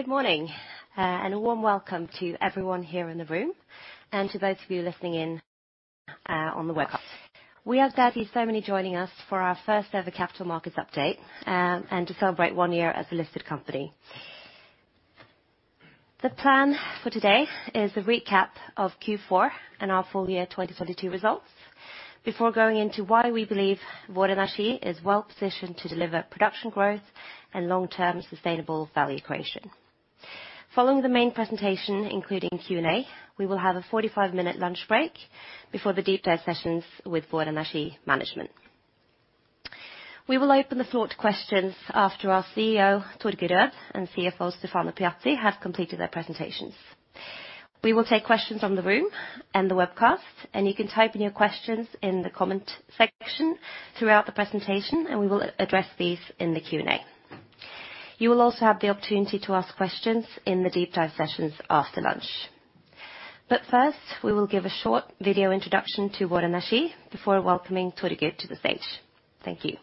Good morning, a warm welcome to everyone here in the room, and to those of you listening in on the webcast. We are glad there's so many joining us for our first-ever capital markets update, and to celebrate one year as a listed company. The plan for today is a recap of Q4 and our full year 2022 results, before going into why we believe Vår Energi is well-positioned to deliver production growth and long-term sustainable value creation. Following the main presentation, including Q&A, we will have a 45-minute lunch break before the deep dive sessions with Vår Energi management. We will open the floor to questions after our CEO, Torger Rød, and CFO, Stefano Pujatti, have completed their presentations. We will take questions from the room and the webcast, and you can type in your questions in the comment section throughout the presentation, and we will address these in the Q&A. You will also have the opportunity to ask questions in the deep dive sessions after lunch. First, we will give a short video introduction to Vår Energi before welcoming Torger to the stage. Thank you.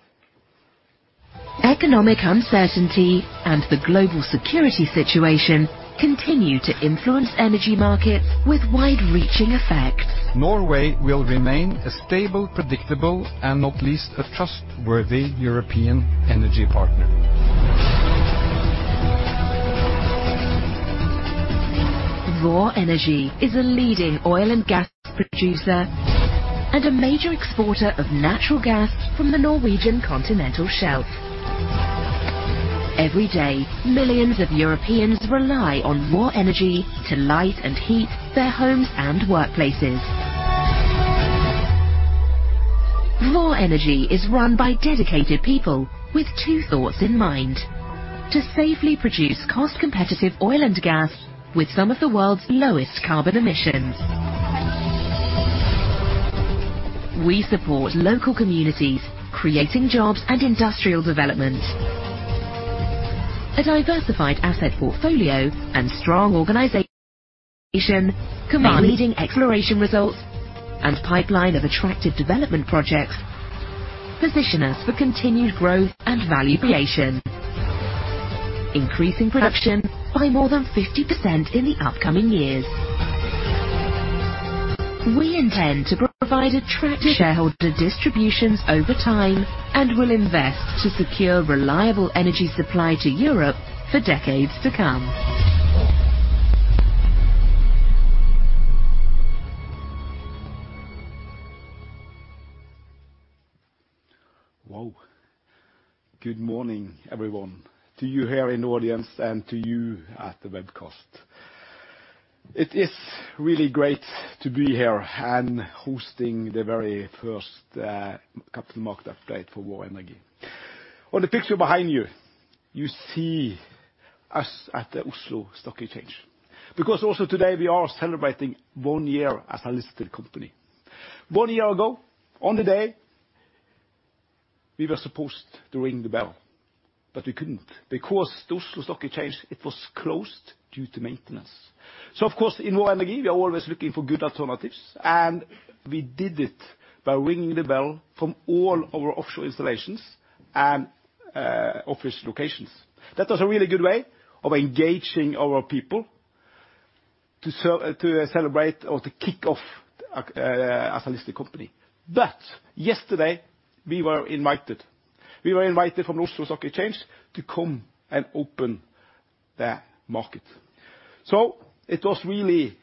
Economic uncertainty and the global security situation continue to influence energy markets with wide-reaching effects. Norway will remain a stable, predictable, and not least, a trustworthy European energy partner. Vår Energi is a leading oil and gas producer and a major exporter of natural gas from the Norwegian Continental Shelf. Every day, millions of Europeans rely on Vår Energi to light and heat their homes and workplaces. Vår Energi is run by dedicated people with two thoughts in mind: to safely produce cost-competitive oil and gas with some of the world's lowest carbon emissions. We support local communities, creating jobs and industrial development. A diversified asset portfolio and strong organization combine leading exploration results and pipeline of attractive development projects position us for continued growth and value creation, increasing production by more than 50% in the upcoming years. We intend to provide attractive shareholder distributions over time and will invest to secure reliable energy supply to Europe for decades to come. Whoa! Good morning, everyone. To you here in the audience and to you at the webcast. It is really great to be here and hosting the very first capital market update for Vår Energi. On the picture behind you see us at the Oslo Stock Exchange, because also today we are celebrating one year as a listed company. One year ago, on the day, we were supposed to ring the bell, but we couldn't because the Oslo Stock Exchange, it was closed due to maintenance. Of course, in Vår Energi, we are always looking for good alternatives, and we did it by ringing the bell from all our offshore installations and office locations. That was a really good way of engaging our people to celebrate or to kick off as a listed company. Yesterday we were invited. We were invited from Oslo Stock Exchange to come and open the market. It was really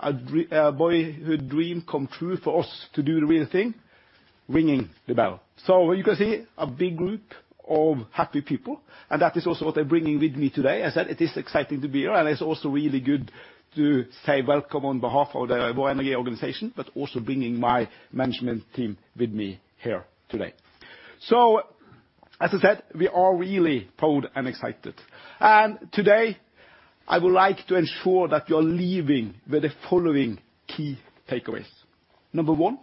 a boyhood dream come true for us to do the real thing, ringing the bell. You can see a big group of happy people, and that is also what I'm bringing with me today. As I said, it is exciting to be here, and it's also really good to say welcome on behalf of the Vår Energi organization, but also bringing my management team with me here today. As I said, we are really proud and excited. Today, I would like to ensure that you're leaving with the following key takeaways. Number one,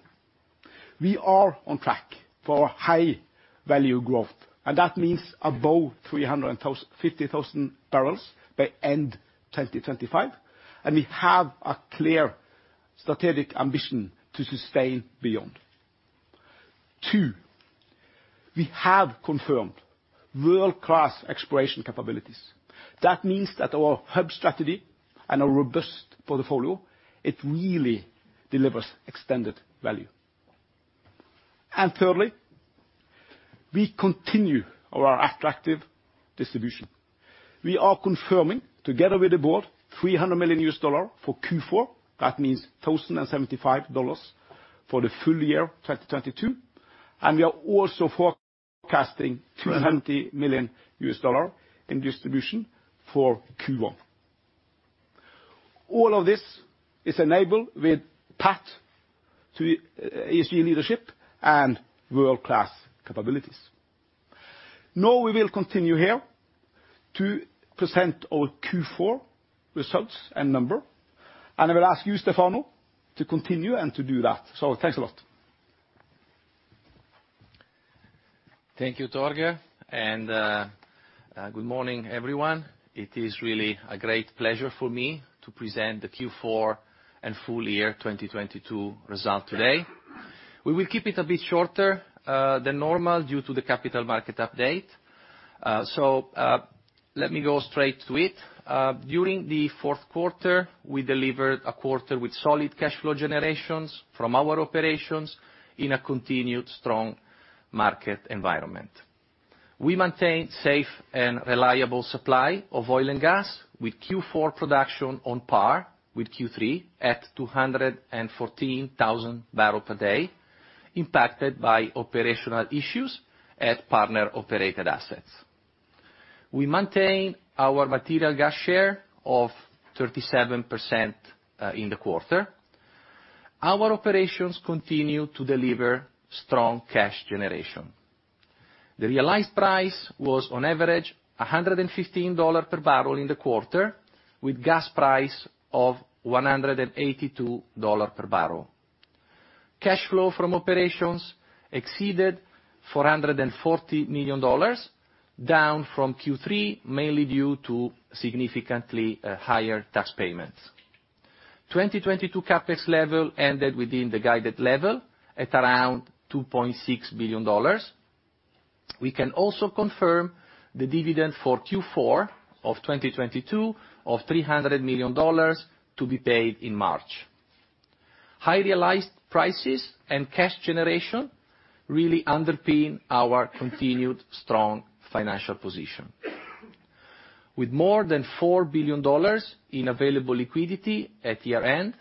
we are on track for high value growth, and that means above 350,000 barrels by end 2025. We have a clear strategic ambition to sustain beyond. Two, we have confirmed world-class exploration capabilities. That means that our hub strategy and our robust portfolio, it really delivers extended value. Thirdly, we continue our attractive distribution. We are confirming together with the Board, $300 million for Q4. That means $1,075 for the full year 2022. We are also forecasting $270 million in distribution for Q1. All of this is enabled with path to ESG leadership and world-class capabilities. We will continue here to present our Q4 results and number, and I will ask you, Stefano, to continue and to do that. Thanks a lot. Thank you, Torger, and good morning, everyone. It is really a great pleasure for me to present the Q4 and full year 2022 result today. We will keep it a bit shorter than normal due to the capital market update. Let me go straight to it. During the fourth quarter, we delivered a quarter with solid cash flow generations from our operations in a continued strong market environment. We maintain safe and reliable supply of oil and gas, with Q4 production on par with Q3 at 214,000 barrel per day, impacted by operational issues at partner-operated assets. We maintain our material gas share of 37% in the quarter. Our operations continue to deliver strong cash generation. The realized price was on average $115 per barrel in the quarter, with gas price of $182 per barrel. Cash flow from operations exceeded $440 million, down from Q3, mainly due to significantly higher tax payments. Twenty twenty-two CapEx level ended within the guided level at around $2.6 billion. We can also confirm the dividend for Q4 of 2022 of $300 million to be paid in March. High realized prices and cash generation really underpin our continued strong financial position. With more than $4 billion in available liquidity at year-end,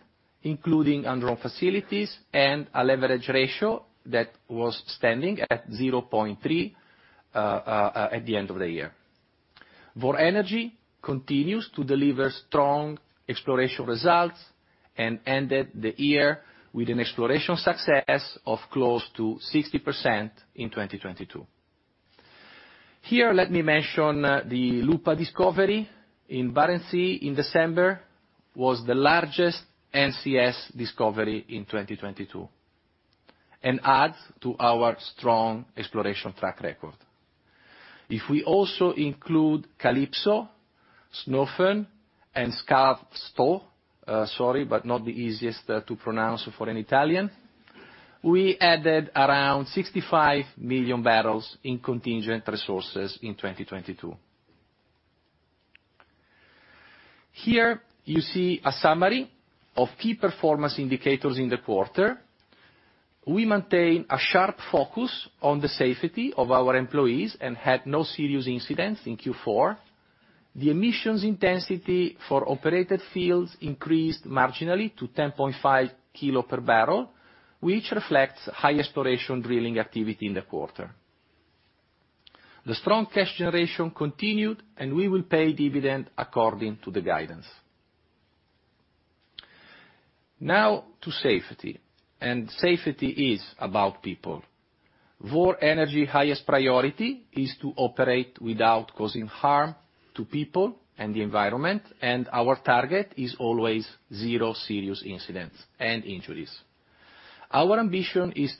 including undrawn facilities and a leverage ratio that was standing at 0.3x at the end of the year. Vår Energi continues to deliver strong exploration results and ended the year with an exploration success of close to 60% in 2022. Let me mention the Lupa discovery in Barents Sea in December was the largest NCS discovery in 2022 and adds to our strong exploration track record. If we also include Calypso, Snøfonn, and Skavl Stø, sorry, but not the easiest to pronounce for an Italian, we added around 65 million barrels in contingent resources in 2022. You see a summary of key performance indicators in the quarter. We maintain a sharp focus on the safety of our employees and had no serious incidents in Q4. The emissions intensity for operated fields increased marginally to 10.5 kilo per barrel, which reflects high exploration drilling activity in the quarter. The strong cash generation continued. We will pay dividend according to the guidance. Now to safety. Safety is about people. Vår Energi highest priority is to operate without causing harm to people and the environment, and our target is always zero serious incidents and injuries. Our ambition is.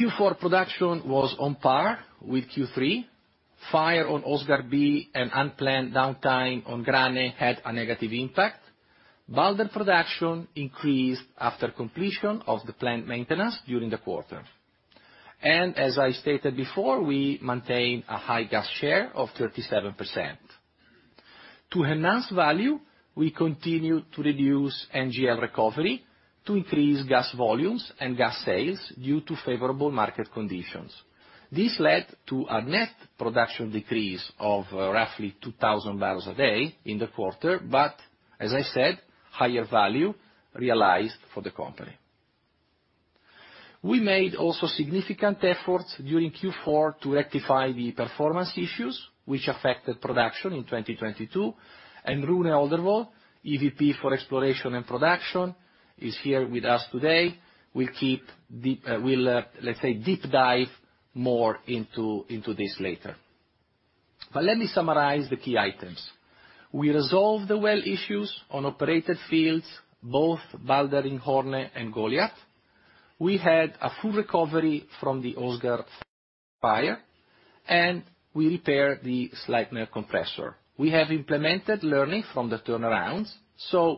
Q4 production was on par with Q3. Fire on Åsgard B and unplanned downtime on Grane had a negative impact. Balder production increased after completion of the plant maintenance during the quarter. As I stated before, we maintain a high gas share of 37%. To enhance value, we continue to reduce NGL recovery to increase gas volumes and gas sales due to favorable market conditions. This led to a net production decrease of roughly 2,000 barrels a day in the quarter, but as I said, higher value realized for the company. We made also significant efforts during Q4 to rectify the performance issues which affected production in 2022. Rune Oldervoll, EVP for exploration and production, is here with us today. We'll deep dive more into this later. Let me summarize the key items. We resolved the well issues on operated fields, both Balder, Ringhorne, and Goliat. We had a full recovery from the Åsgard fire. We repaired the Sleipner compressor. We have implemented learning from the turnarounds.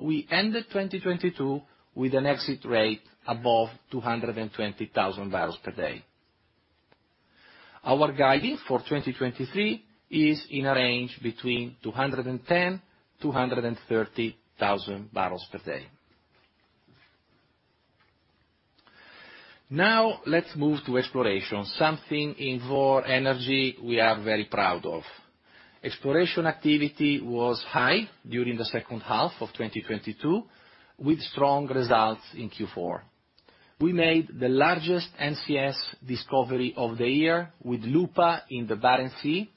We ended 2022 with an exit rate above 220,000 barrels per day. Our guiding for 2023 is in a range between 210,000-230,000 barrels per day. Now, let's move to exploration, something in Vår Energi we are very proud of. Exploration activity was high during the second half of 2022, with strong results in Q4. We made the largest NCS discovery of the year with Lupa in the Barents Sea.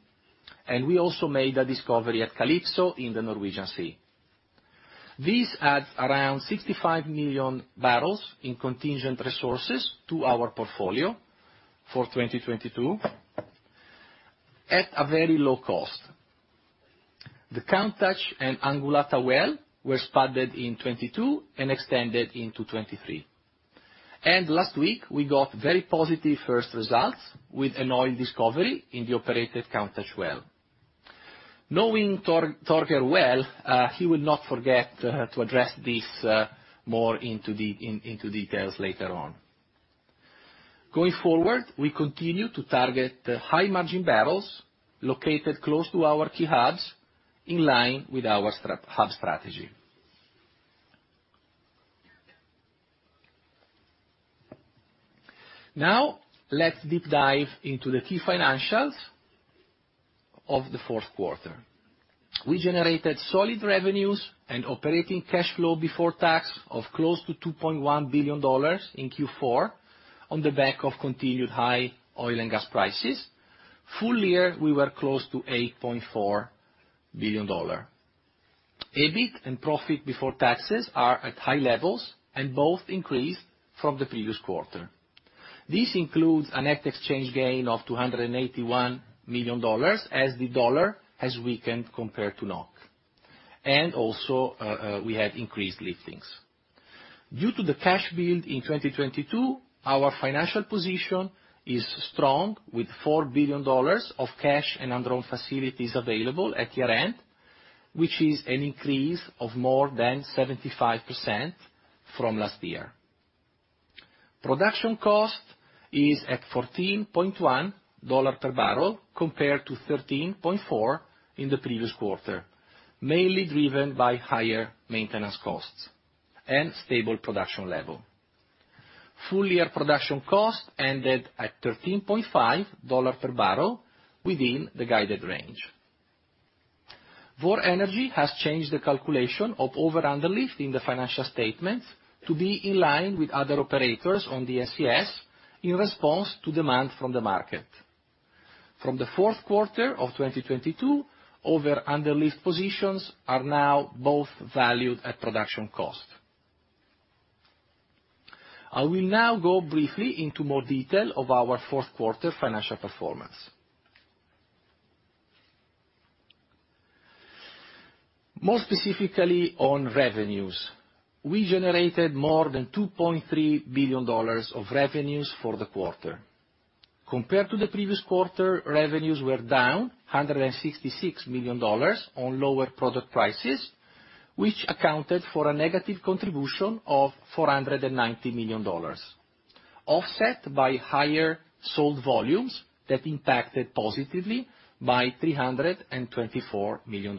We also made a discovery at Calypso in the Norwegian Sea. This adds around 65 million barrels in contingent resources to our portfolio for 2022 at a very low cost. The Countach and Angulata well were spudded in 2022 and extended into 2023. Last week, we got very positive first results with an oil discovery in the operated Countach well. Knowing Torger well, he will not forget to address this more into the details later on. Going forward, we continue to target the high-margin barrels located close to our key hubs, in line with our hub strategy. Now, let's deep dive into the key financials of the fourth quarter. We generated solid revenues and operating cash flow before tax of close to $2.1 billion in Q4 on the back of continued high oil and gas prices. Full year, we were close to $8.4 billion. EBIT and profit before taxes are at high levels and both increased from the previous quarter. This includes a net exchange gain of $281 million, as the dollar has weakened compared to NOK. Also, we had increased liftings. Due to the cash build in 2022, our financial position is strong with $4 billion of cash and undrawn facilities available at year-end, which is an increase of more than 75% from last year. Production cost is at $14.1 per barrel compared to $13.4 in the previous quarter, mainly driven by higher maintenance costs and stable production level. Full year production cost ended at $13.5 per barrel within the guided range. Vår Energi has changed the calculation of over-under lift in the financial statements to be in line with other operators on the NCS in response to demand from the market. From the fourth quarter of 2022, over-under lift positions are now both valued at production cost. I will now go briefly into more detail of our fourth quarter financial performance. More specifically on revenues. We generated more than $2.3 billion of revenues for the quarter. Compared to the previous quarter, revenues were down $166 million on lower product prices, which accounted for a negative contribution of $490 million, offset by higher sold volumes that impacted positively by $324 million.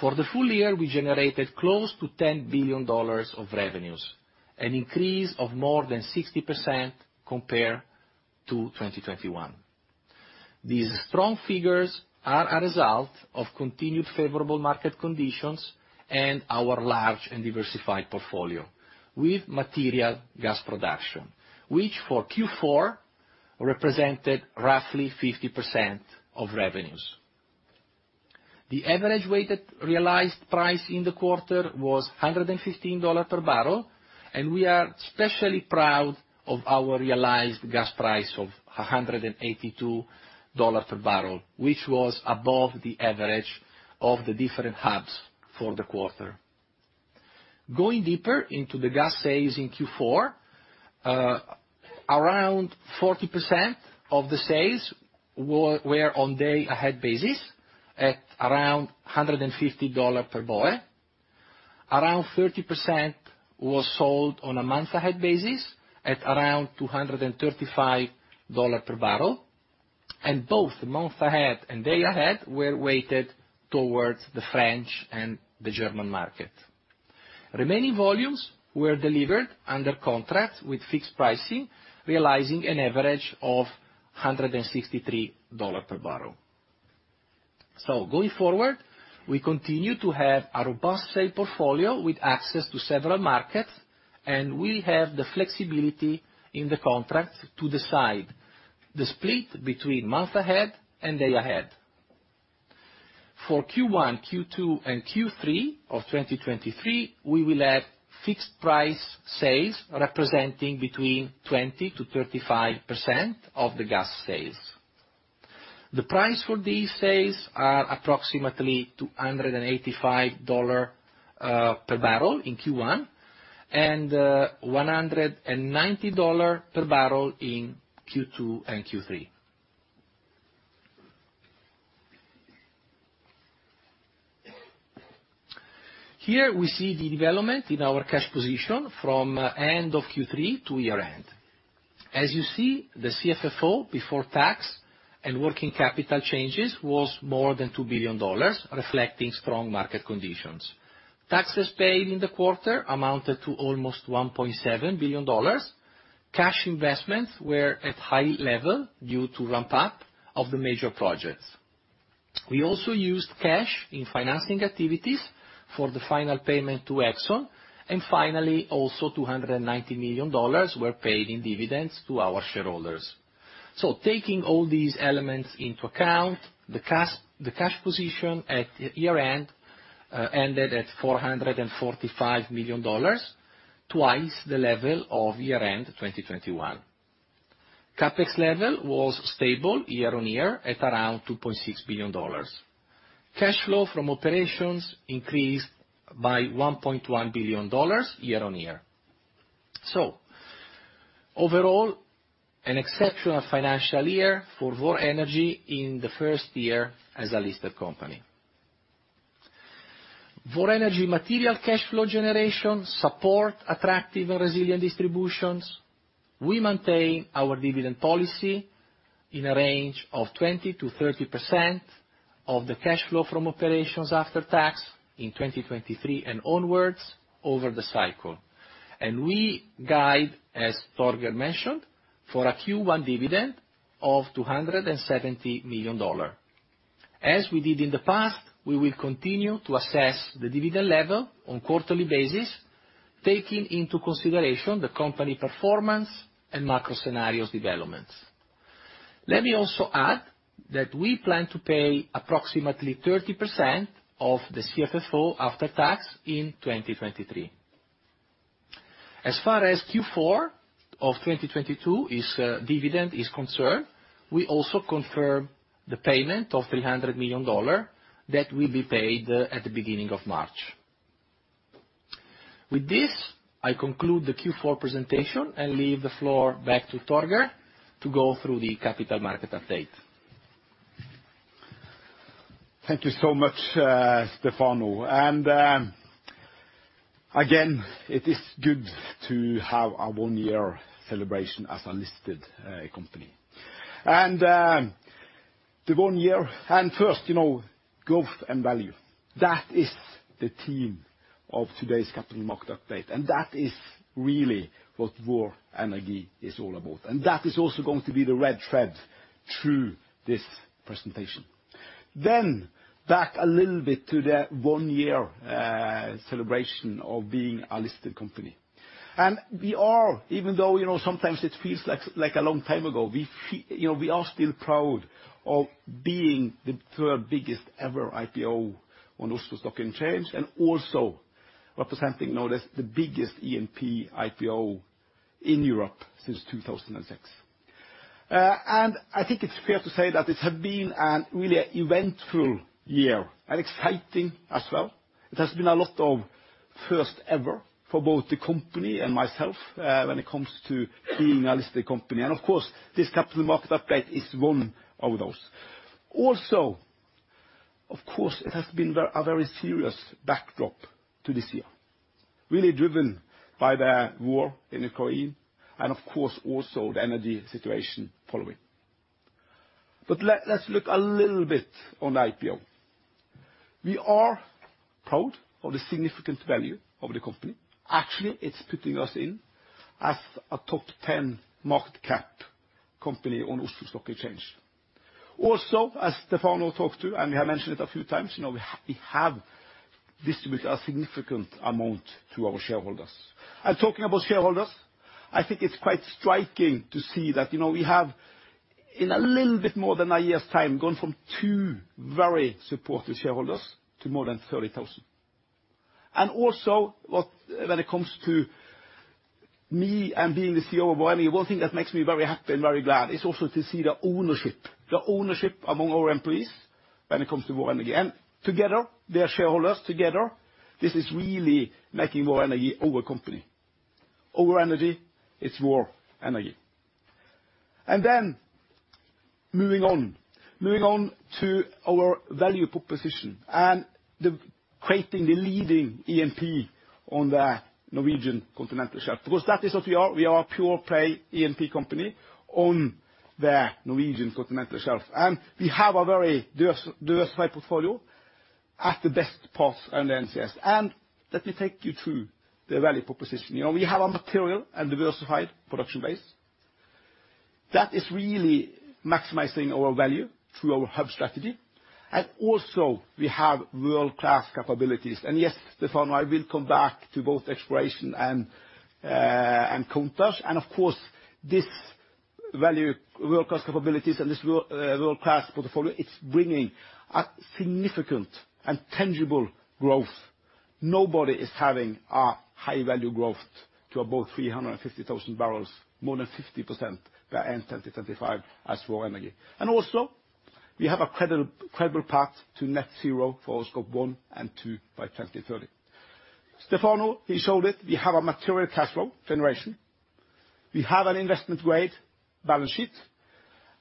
For the full year, we generated close to $10 billion of revenues, an increase of more than 60% compared to 2021. These strong figures are a result of continued favorable market conditions and our large and diversified portfolio with material gas production, which for Q4 represented roughly 50% of revenues. The average weighted realized price in the quarter was $115 per barrel. We are especially proud of our realized gas price of $182 per barrel, which was above the average of the different hubs for the quarter. Going deeper into the gas sales in Q4, around 40% of the sales were on day ahead basis at around $150 per boe. Around 30% was sold on a month ahead basis at around $235 per barrel. Both month ahead and day ahead were weighted towards the French and the German market. Remaining volumes were delivered under contract with fixed pricing, realizing an average of $163 per barrel. Going forward, we continue to have a robust sale portfolio with access to several markets, and we have the flexibility in the contracts to decide the split between month ahead and day ahead. For Q1, Q2 and Q3 of 2023, we will have fixed price sales representing between 20%-35% of the gas sales. The price for these sales are approximately $285 per barrel in Q1, and $190 per barrel in Q2 and Q3. Here we see the development in our cash position from end of Q3 to year-end. As you see, the CFFO before tax and working capital changes was more than $2 billion, reflecting strong market conditions. Taxes paid in the quarter amounted to almost $1.7 billion. Cash investments were at high level due to ramp up of the major projects. We also used cash in financing activities for the final payment to ExxonMobil. Finally, also $290 million were paid in dividends to our shareholders. Taking all these elements into account, the cash position at year-end ended at $445 million, twice the level of year-end 2021. CapEx level was stable year-on-year at around $2.6 billion. Cash flow from operations increased by $1.1 billion year-on-year. Overall, an exceptional financial year for Vår Energi in the first year as a listed company. Vår Energi material cash flow generation support attractive and resilient distributions. We maintain our dividend policy in a range of 20%-30% of the cash flow from operations after tax in 2023 and onwards over the cycle. We guide, as Torger mentioned, for a Q1 dividend of $270 million. As we did in the past, we will continue to assess the dividend level on quarterly basis, taking into consideration the company performance and macro scenarios developments. Let me also add that we plan to pay approximately 30% of the CFFO after tax in 2023. As far as Q4 of 2022 dividend is concerned, we also confirm the payment of $300 million that will be paid at the beginning of March. With this, I conclude the Q4 presentation and leave the floor back to Torger to go through the capital market update. Thank you so much, Stefano. Again, it is good to have a one-year celebration as a listed company. The one year, and first, you know, growth and value. That is the theme of today's capital market update, and that is really what Vår Energi is all about. That is also going to be the red thread through this presentation. Back a little bit to the one-year celebration of being a listed company. We are, even though, you know, sometimes it feels like a long time ago, you know, we are still proud of being the third biggest ever IPO on Oslo Stock Exchange, and also representing now as the biggest E&P IPO in Europe since 2006. I think it's fair to say that it has been an really eventful year and exciting as well. It has been a lot of first ever for both the company and myself when it comes to being a listed company. Of course, this capital market update is one of those. Also, of course, it has been a very serious backdrop to this year, really driven by the war in Ukraine and of course also the energy situation following. Let's look a little bit on the IPO. We are proud of the significant value of the company. Actually, it's putting us in as a top 10 market cap company on Oslo Stock Exchange. Also, as Stefano talked to, and we have mentioned it a few times, you know, we have distributed a significant amount to our shareholders. Talking about shareholders, I think it's quite striking to see that, you know, we have in a little bit more than a year's time, gone from two very supportive shareholders to more than 30,000. Also, me and being the CEO of Vår Energi, one thing that makes me very happy and very glad is also to see the ownership among our employees when it comes to Vår Energi. Together, they are shareholders together, this is really making Vår Energi our company. Our energy is your energy. Moving on to our value proposition and the creating the leading E&P on the Norwegian Continental Shelf, because that is what we are. We are a pure-play E&P company on the Norwegian Continental Shelf. We have a very diversified portfolio at the best parts on the NCS. Let me take you through the value proposition. You know, we have a material and diversified production base. That is really maximizing our value through our hub strategy. Also we have world-class capabilities. Yes, Stefano, I will come back to both exploration and contract. Of course, this value, world-class capabilities and this world-class portfolio, it's bringing a significant and tangible growth. Nobody is having a high-value growth to above 350,000 barrels, more than 50% by end of 2025 as Vår Energi. Also, we have a credible path to net zero for Scope 1 and 2 by 2030. Stefano, he showed it. We have a material cash flow generation. We have an investment-grade balance sheet,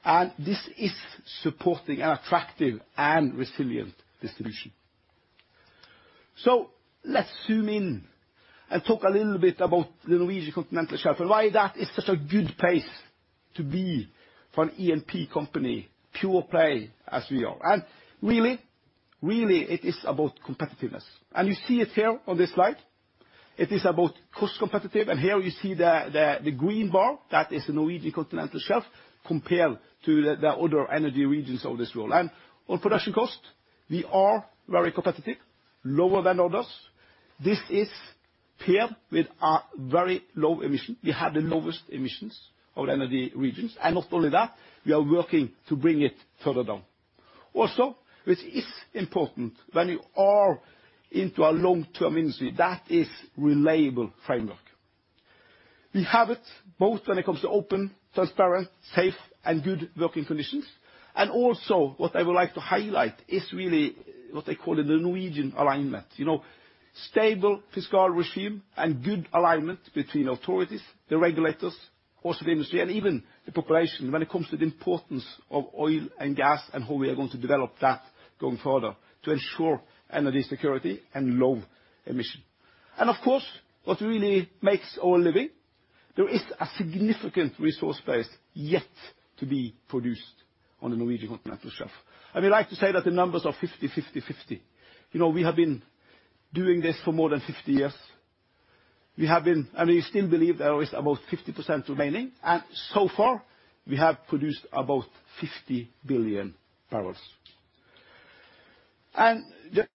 and this is supporting an attractive and resilient distribution. Let's zoom in and talk a little bit about the Norwegian Continental Shelf and why that is such a good place to be for an E&P company, pure-play as we are. Really it is about competitiveness. You see it here on this slide. It is about cost competitive. Here you see the green bar, that is the Norwegian Continental Shelf compared to the other energy regions of this world. On production cost, we are very competitive, lower than others. This is paired with a very low emission. We have the lowest emissions of energy regions. Not only that, we are working to bring it further down. Also, which is important when you are into a long-term industry, that is reliable framework. We have it both when it comes to open, transparent, safe, and good working conditions. Also, what I would like to highlight is really what I call the Norwegian alignment. You know, stable fiscal regime and good alignment between authorities, the regulators, also the industry and even the population when it comes to the importance of oil and gas and how we are going to develop that going further to ensure energy security and low emission. Of course, what really makes our living, there is a significant resource base yet to be produced on the Norwegian Continental Shelf. We like to say that the numbers are 50/50. You know, we have been doing this for more than 50 years. We still believe there is about 50% remaining, and so far we have produced about 50 billion barrels. Just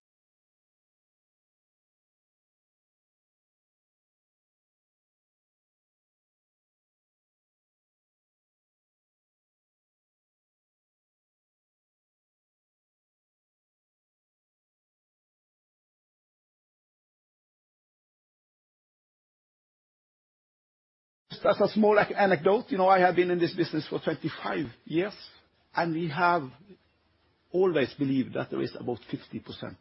as a small anecdote, you know, I have been in this business for 25 years, and we have always believed that there is about 50%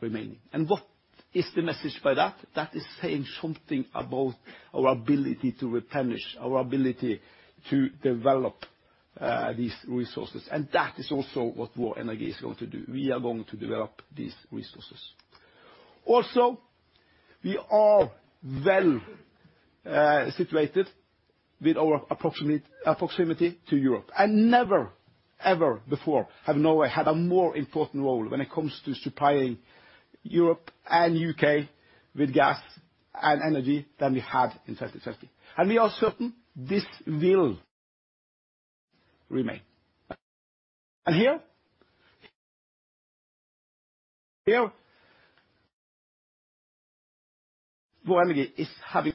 remaining. What is the message by that? That is saying something about our ability to replenish, our ability to develop these resources, and that is also what Vår Energi is going to do. We are going to develop these resources. Also, we are well situated with our proximity to Europe. Never, ever before have Norway had a more important role when it coming to supplying Europe and U.K. with gas and energy than we have in 2020. We are certain this will remain. Here Vår Energi is having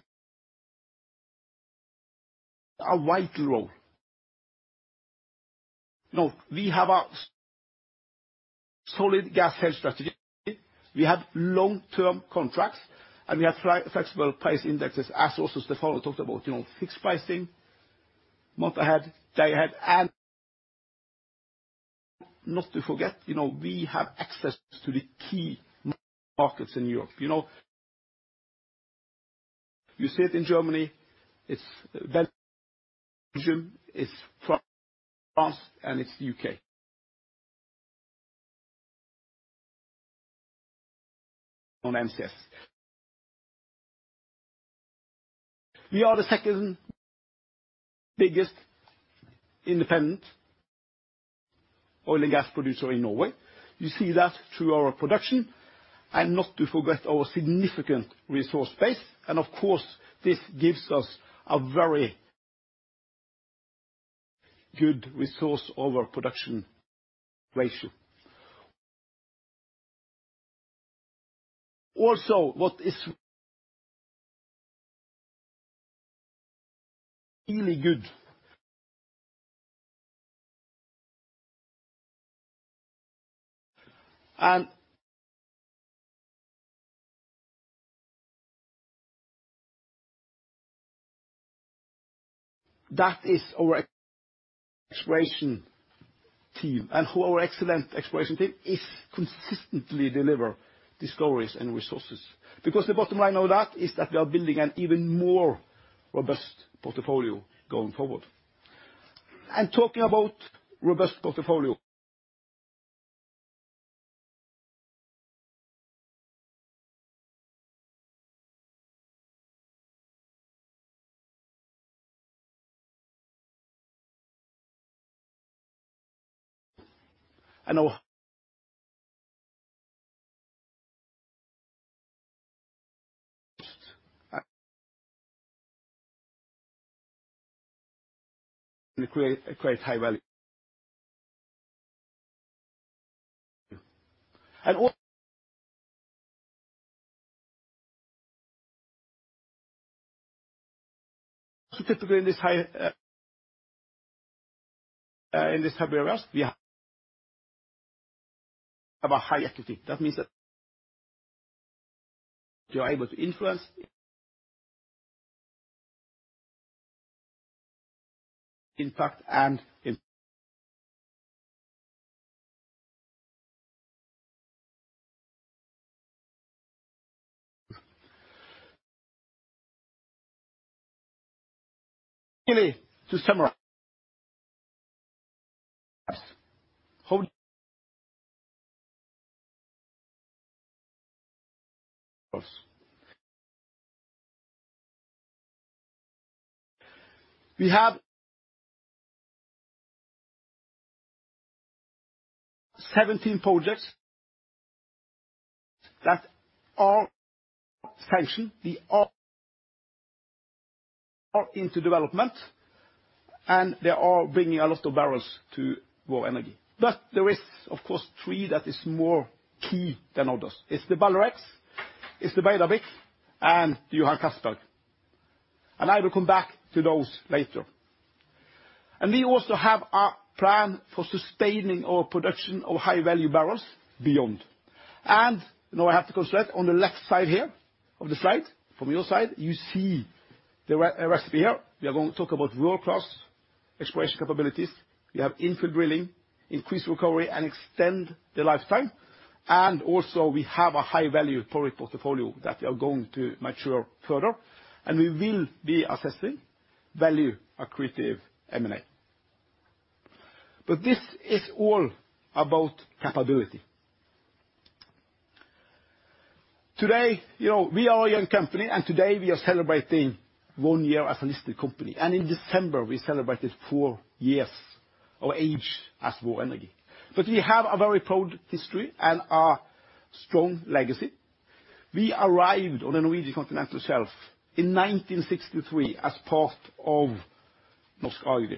a vital role. You know, we have a solid gas sales strategy. We have long-term contracts, and we have flexible price indexes as also Stefano talked about, you know, fixed pricing, month ahead, day ahead. Not to forget, you know, we have access to the key markets in Europe. You know, you see it in Germany, it's Belgium, it's France, and it's the U.K. On NCS. We are the second-biggest independent oil and gas producer in Norway. You see that through our production. Not to forget our significant resource base. Of course, this gives us a very good resource over production ratio. That is our exploration team and who our excellent exploration team is consistently deliver discoveries and resources. The bottom line of that is that we are building an even more robust portfolio going forward. Talking about robust portfolio. I know. We create high value. And also. [inaudible] Typically in this high barrels, we have a high equity. That means that you are able to influence. Impact and [inaudible] really to summarize. [inaudible] close. We have 17 projects that are sanctioned. They are into development, and they are bringing a lot of barrels to Vår Energi. There is, of course, three that is more key than others. It's the Balder X, it's the Breidablikk and the Johan Castberg. I will come back to those later. We also have a plan for sustaining our production of high-value barrels beyond. Now I have to concentrate on the left side here of the slide, from your side, you see the recipe here. We are going to talk about world-class exploration capabilities. We have infield drilling, increased recovery, and extend the lifetime. Also we have a high-value product portfolio that we are going to mature further, and we will be assessing value-accretive M&A. This is all about capability. Today, you know, we are a young company, and today we are celebrating one year as a listed company. In December we celebrated four years of age as Vår Energi. We have a very proud history and a strong legacy. We arrived on the Norwegian Continental Shelf in 1963 as part of Norsk Hydro.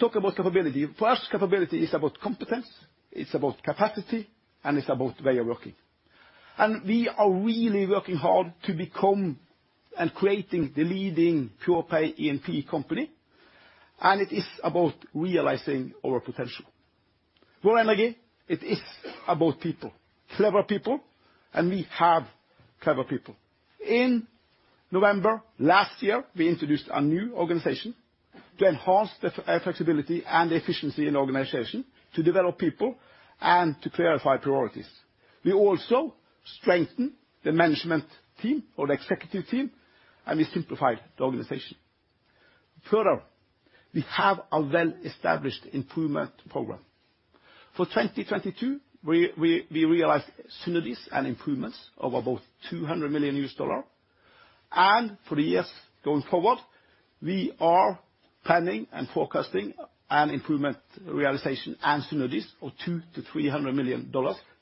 Talk about capability. For us, capability is about competence, it's about capacity, and it's about way of working. We are really working hard to become and creating the leading pure-play E&P company, and it is about realizing our potential. Vår Energi, it is about people, clever people, and we have clever people. In November last year, we introduced a new organization to enhance the flexibility and efficiency in the organization, to develop people and to clarify priorities. We also strengthen the management team or the executive team, and we simplified the organization. Further, we have a well-established improvement program. For 2022, we realized synergies and improvements of about $200 million. For the years going forward, we are planning and forecasting an improvement realization and synergies of $200 million-$300 million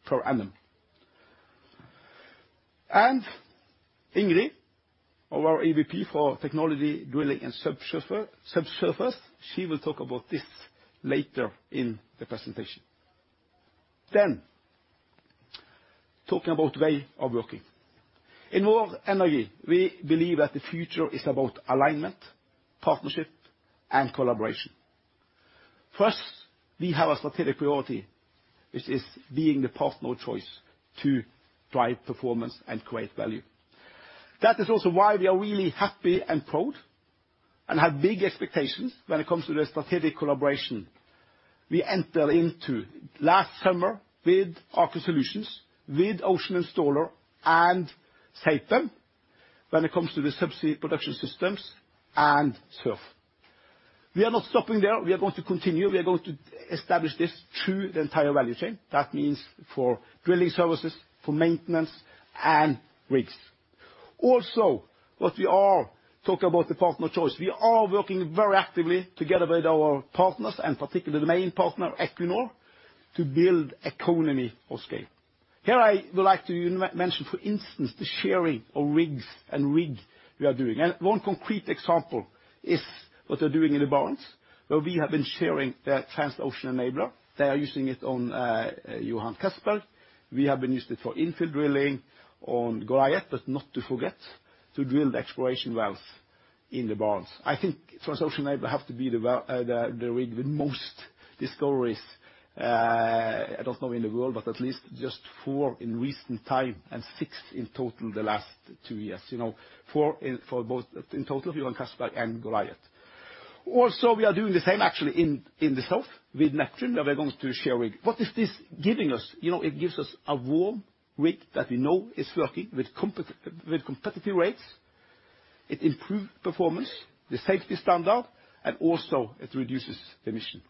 per annum. Ingrid, our EVP for Technology, Drilling, and Subsurface, she will talk about this later in the presentation. Talking about way of working. In Vår Energi, we believe that the future is about alignment, partnership, and collaboration. We have a strategic priority, which is being the partner of choice to drive performance and create value. That is also why we are really happy and proud and have big expectations when it comes to the strategic collaboration we enter into last summer with Aker Solutions, with Ocean Installer and Saipem when it comes to the subsea production systems and SURF. We are not stopping there. We are going to continue. We are going to establish this through the entire value chain. That means for drilling services, for maintenance and rigs. Also, what we are talking about the partner of choice. We are working very actively together with our partners and particularly the main partner, Equinor, to build economy of scale. Here I would like to mention, for instance, the sharing of rigs and rig we are doing. One concrete example is what we're doing in the Barents, where we have been sharing their Transocean Enabler. They are using it on Johan Castberg. We have been using it for infill drilling on Goliat, but not to forget, to drill the exploration wells in the Barents. I think Transocean Enabler have to be the well, the rig with most discoveries, I don't know, in the world, but at least just four in recent time and six in total the last two years. You know, four both in total, Johan Castberg and Goliat. We are doing the same actually in the south with Neptune, where we're going to share rig. What is this giving us? You know, it gives us a warm rig that we know is working with competitive rates. It improved performance, the safety standard, and also it reduces emission.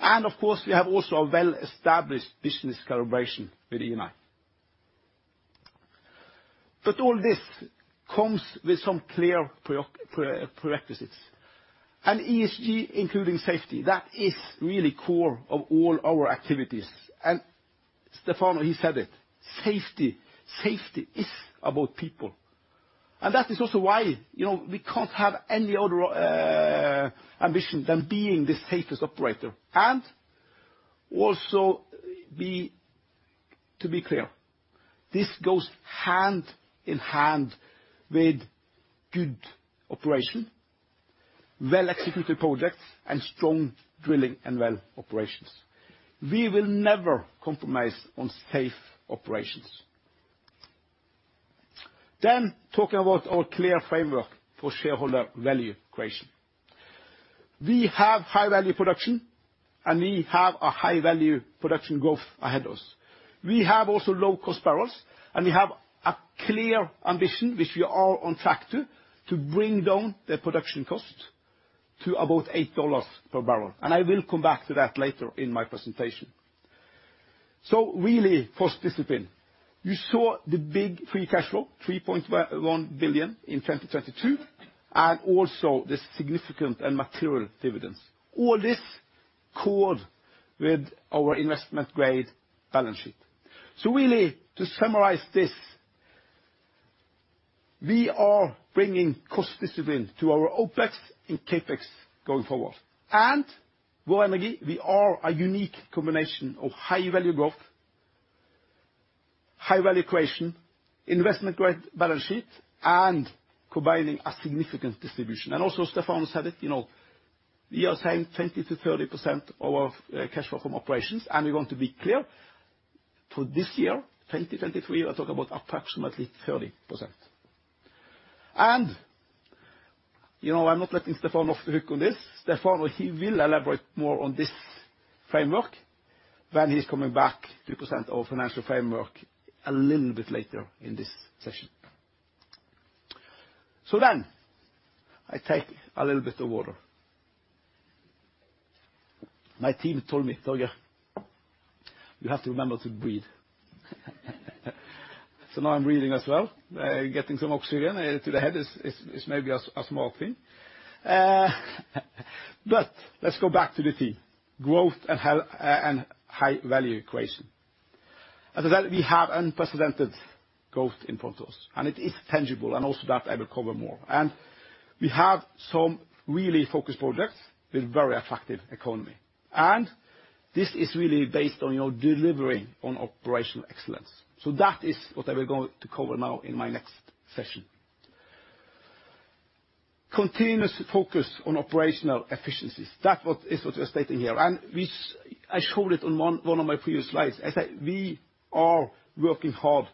Of course, we have also a well-established business collaboration with Eni. All this comes with some clear prerequisites and ESG, including safety. That is really core of all our activities. Stefano, he said it, "Safety, safety is about people." That is also why, you know, we can't have any other ambition than being the safest operator. Also, to be clear, this goes hand in hand with good operation, well-executed projects, and strong drilling and well operations. We will never compromise on safe operations. Talking about our clear framework for shareholder value creation. We have high-value production, and we have a high-value production growth ahead of us. We have also low-cost barrels, and we have a clear ambition, which we are on track to bring down the production cost to about $8 per barrel. I will come back to that later in my presentation. So, really, cost discipline. You saw the big free cash flow, $3.1 billion in 2022, also the significant and material dividends. All this could with our investment-grade balance sheet. Really to summarize this, we are bringing cost discipline to our OpEx and CapEx going forward. Vår Energi, we are a unique combination of high-value growth, high-value creation, investment-grade balance sheet, and combining a significant distribution. Also Stefano said it, you know, we are saying 20%-30% of cash from operations, and we want to be clear. For this year, 2023, I talk about approximately 30%. You know, I'm not letting Stefano off the hook on this. Stefano, he will elaborate more on this framework when he's coming back to present our financial framework a little bit later in this session. I take a little bit of water. My team told me, "Torger, you have to remember to breathe." Now I'm breathing as well. Getting some oxygen to the head is maybe a small thing. Let's go back to the theme, growth and high-value creation. As I said, we have unprecedented growth in front of us, it is tangible, also that I will cover more. We have some really focused projects with very attractive economy. This is really based on your delivery on operational excellence. That is what I will going to cover now in my next session. Continuous focus on operational efficiencies. That what we are stating here, I showed it on one of my previous slides. I said we are working hard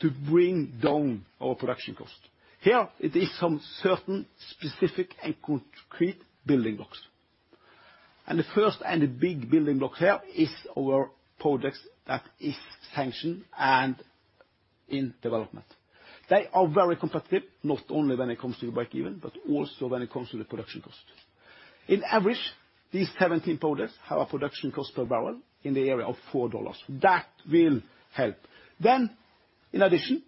to bring down our production cost. Here it is some certain specific and concrete building blocks. The first and the big building block here is our projects that is sanctioned and in development. They are very competitive, not only when it comes to breakeven, but also when it comes to the production cost. In average, these 17 projects have a production cost per barrel in the area of $4. That will help. In addition,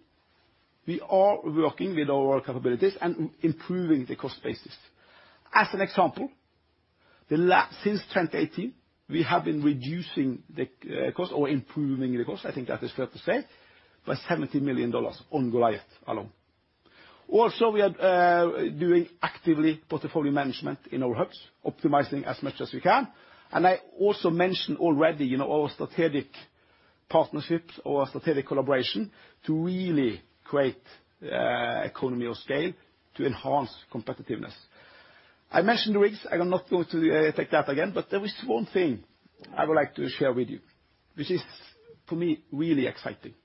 we are working with our capabilities and improving the cost basis. As an example, since 2018, we have been reducing the cost or improving the cost, I think that is fair to say, by $70 million on Goliat alone. Also, we are doing actively portfolio management in our hubs, optimizing as much as we can. I also mentioned already, you know, our strategic partnerships or strategic collaboration to really create economy of scale to enhance competitiveness. I mentioned rigs. I am not going to take that again, but there is one thing I would like to share with you, which is for me, really exciting.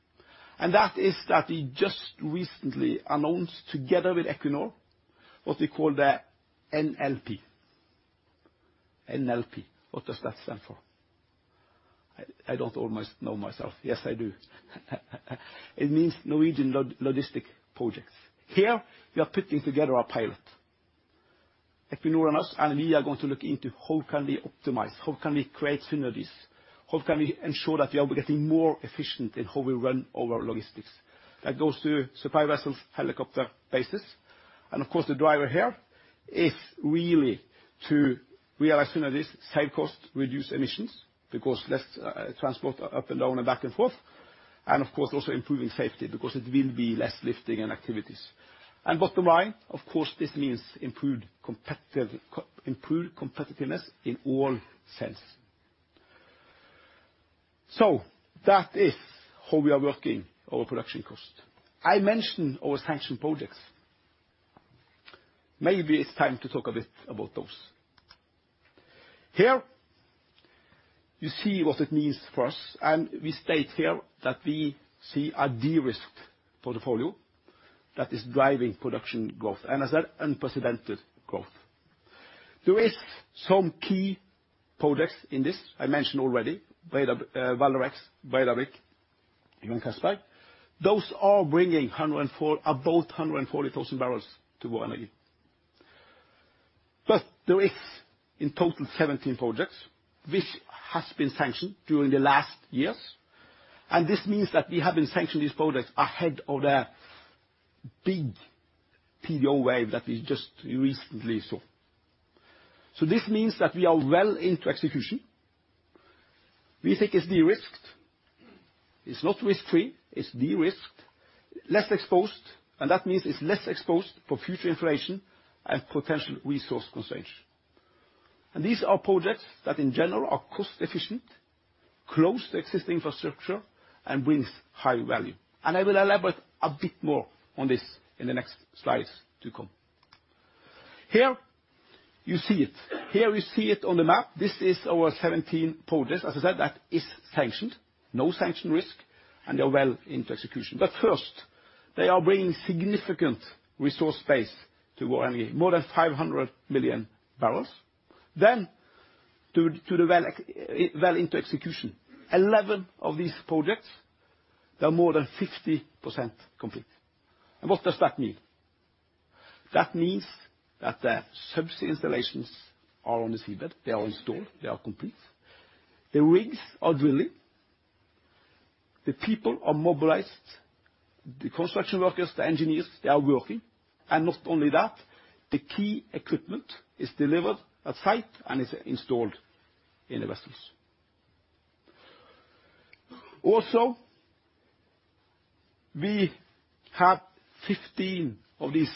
That is that we just recently announced together with Equinor what we call the NLP. NLP, what does that stand for? I don't almost know myself. Yes, I do. It means Norwegian logistic projects. Here we are putting together a pilot, Equinor and us, and we are going to look into how can we optimize, how can we create synergies, how can we ensure that we are getting more efficient in how we run our logistics. That goes to supply vessels, helicopter bases, the driver here is really to realize synergies, save costs, reduce emissions, because less transport up and down and back and forth. Of course also improving safety because it will be less lifting and activities. Bottom line, of course, this means improved competitiveness in all sense. That is how we are working our production cost. I mentioned our sanction projects. Maybe it's time to talk a bit about those. Here you see what it means for us, and we state here that we see a de-risked portfolio that is driving production growth, and as an unprecedented growth. There is some key projects in this I mentioned already, Balder X, Breidablikk, even Johan Castberg. Those are bringing above 140,000 barrels to Vår Energi. There is in total 17 projects which has been sanctioned during the last years. This means that we have been sanctioned these projects ahead of the big PO wave that we just recently saw. This means that we are well into execution. We think it's de-risked. It's not risk-free, it's de-risked, less exposed, and that means it's less exposed for future inflation and potential resource constraints. These are projects that in general are cost efficient, close to existing infrastructure and brings high value. I will elaborate a bit more on this in the next slides to come. Here you see it. Here you see it on the map. This is our 17 projects, as I said, that is sanctioned, no sanction risk, and they are well into execution. First they are bringing significant resource base to Vår Energi, more than 500 million barrels. Due to the well into execution, 11 of these projects, they are more than 50% complete. What does that mean? That means that the subsea installations are on the seabed, they are installed, they are complete. The rigs are drilling. The people are mobilized, the construction workers, the engineers, they are working. Not only that, the key equipment is delivered at site and is installed in the vessels. We have 15 of these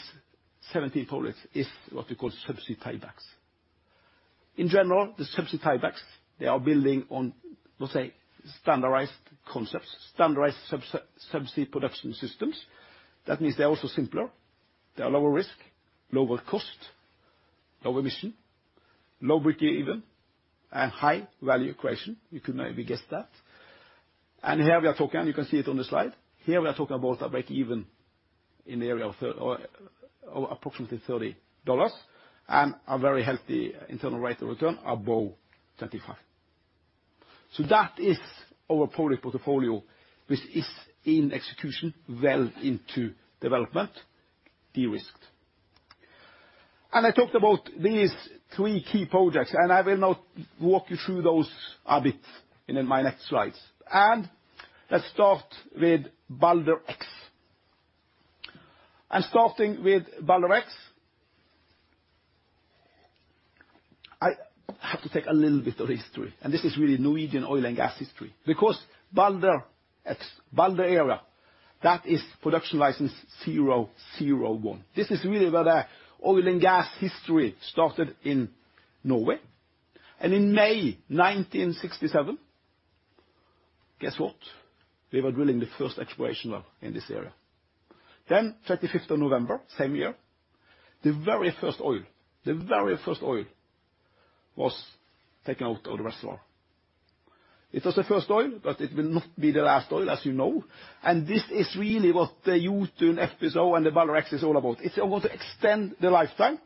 17 projects is what we call subsea tie-backs. In general, the subsea tie-backs, they are building on, let's say, standardized concepts, standardized subsea production systems. That means they're also simpler, they are lower risk, lower cost, lower emission, low break-even, and high-value equation. You could maybe guess that. Here we are talking, and you can see it on the slide. Here we are talking about a break even in the area of approximately $30 and a very healthy internal rate of return above 25. That is our project portfolio, which is in execution well into development, de-risked. I talked about these three key projects. I will now walk you through those a bit in my next slides. Let's start with Balder X. Starting with Balder X, I have to take a little bit of history, and this is really Norwegian oil and gas history. Balder X, Balder area, that is Production License 001. This is really where the oil and gas history started in Norway. In May 1967, guess what? We were drilling the first exploration well in this area. Then, 25th of November, same year, the very first oil was taken out of the reservoir. It was the first oil, but it will not be the last oil, as you know. This is really what the Jotun FPSO and the Balder X is all about. It's going to extend the lifetime.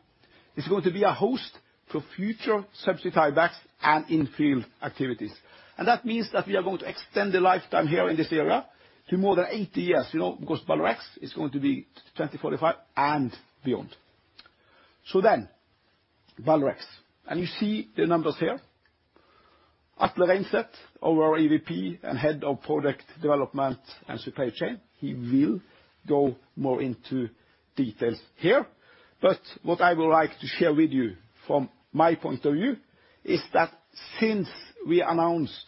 It's going to be a host for future subsea tie-backs and infill activities. That means that we are going to extend the lifetime here in this area to more than 80 years, you know, because Balder X is going to be 2045 and beyond. Balder X, and you see the numbers here. Atle Reinseth, our EVP and Head of Project Development and Supply Chain, he will go more into details here. What I would like to share with you from my point of view is that since we announced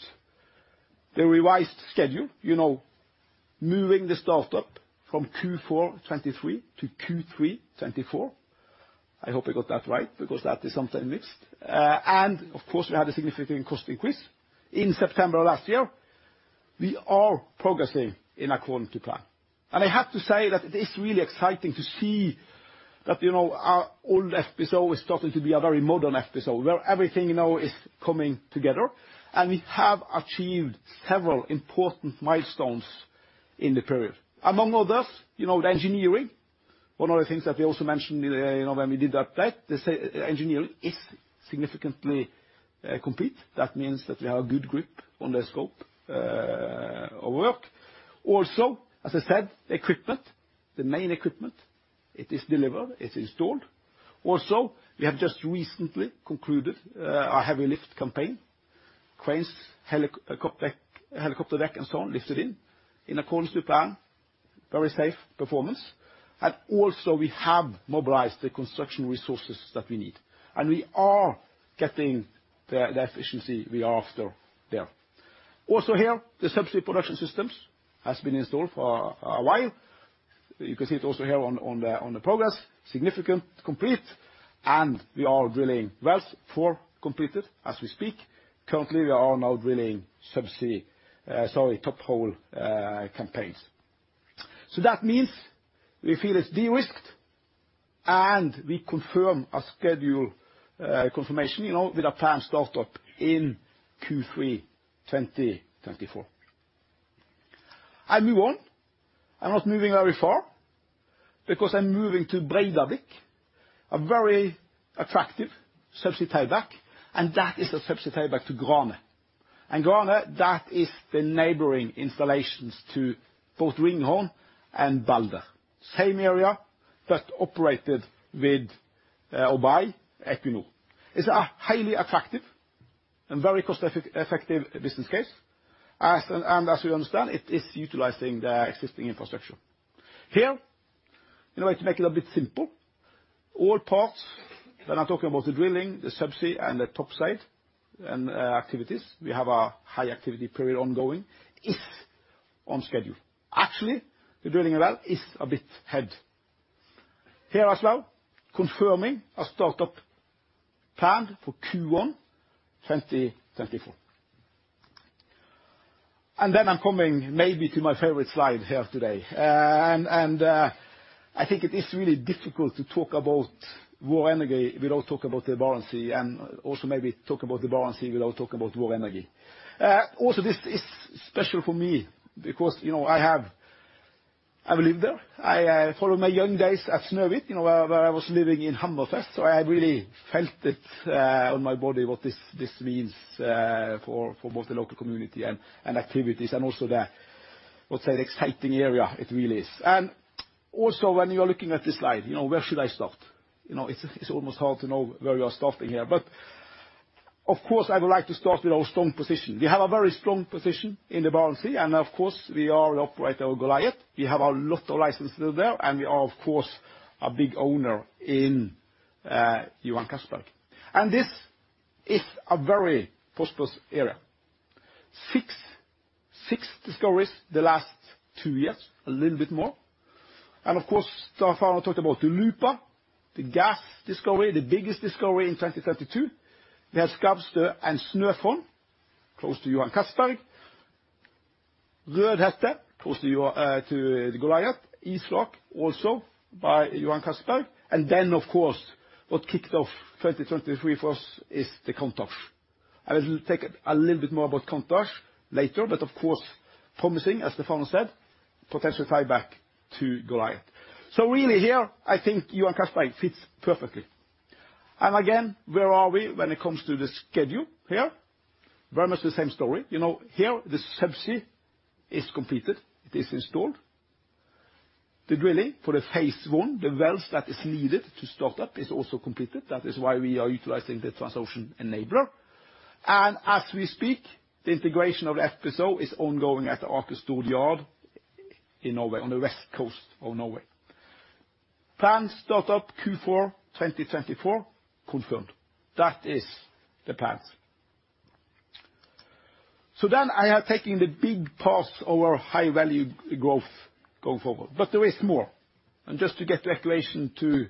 the revised schedule, moving the start up from Q4 2023 to Q3 2024. I hope I got that right because that is sometimes missed. Of course, we had a significant cost increase in September last year. We are progressing in accordance to plan. I have to say that it is really exciting to see that our old FPSO is starting to be a very modern FPSO, where everything now is coming together, and we have achieved several important milestones in the period. Among others, the engineering, one of the things that we also mentioned, when we did update, engineering is significantly complete. That means that we have a good grip on the scope of work. As I said, equipment, the main equipment it is delivered, it's installed. We have just recently concluded our heavy lift campaign. Cranes, helicopter deck and so on lifted in in accordance with plan. Very safe performance. We have mobilized the construction resources that we need. We are getting the efficiency we are after there. Here, the subsea production systems has been installed for a while. You can see it also here on the progress, significant complete, and we are drilling wells, four completed, as we speak. Currently, we are now drilling subsea, sorry, top hole campaigns. That means we feel it's de-risked, and we confirm a schedule confirmation, you know, with our plan start up in Q3 2024. I move on. I'm not moving very far because I'm moving to Breidablikk, a very attractive subsea tie-back, and that is a subsea tie-back to Grane. Grane, that is the neighboring installations to both Ringhorne and Balder. Same area that's operated with or by Equinor. It's a highly attractive and very cost effective business case. As we understand it's utilizing the existing infrastructure. Here, in order to make it a bit simple, all parts that are talking about the drilling, the subsea, and the topside and activities, we have a high activity period ongoing, is on schedule. Actually, the drilling well is a bit ahead. Here as well, confirming a start-up plan for Q1 2024. I'm coming maybe to my favorite slide here today. I think it is really difficult to talk about Vår Energi without talk about the Barents Sea and also maybe talk about the Barents Sea without talking about Vår Energi. This is special for me because, you know, I've lived there. I, for my young days at Snøhvit, you know, where I was living in Hammerfest. I really felt it on my body what this means for both the local community and activities and also the, let's say, the exciting area it really is. When you're looking at this slide, you know, where should I start? You know, it's almost hard to know where you are starting here. Of course, I would like to start with our strong position. We have a very strong position in the Barents Sea, and of course, we are the operator of Goliat. We have a lot of licenses there, and we are of course a big owner in Johan Castberg. This is a very prosperous area. Six discoveries the last two years, a little bit more. Of course, Stefano talked about the Lupa, the gas discovery, the biggest discovery in 2022. We have Skavl Stø and Snøfonn, close to Johan Castberg. Rødhette, close to Goliat. Isflak, also by Johan Castberg. Of course, what kicked off 2023 for us is the Countach. I will take a little bit more about Countach later, but of course, promising, as Stefano said, potential tie-back to Goliat. Really here, I think Johan Castberg fits perfectly. Where are we when it comes to the schedule here? Very much the same story. You know, here, the subsea is completed. It is installed. The drilling for the Phase 1, the wells that is needed to start up is also completed. That is why we are utilizing the Transocean Enabler. As we speak, the integration of the FPSO is ongoing at the Aker Stord yard in Norway, on the west coast of Norway. Plans start up Q4 2024 confirmed. That is the plans. I have taken the big parts of our high-value growth going forward. There is more. Just to get the equation to,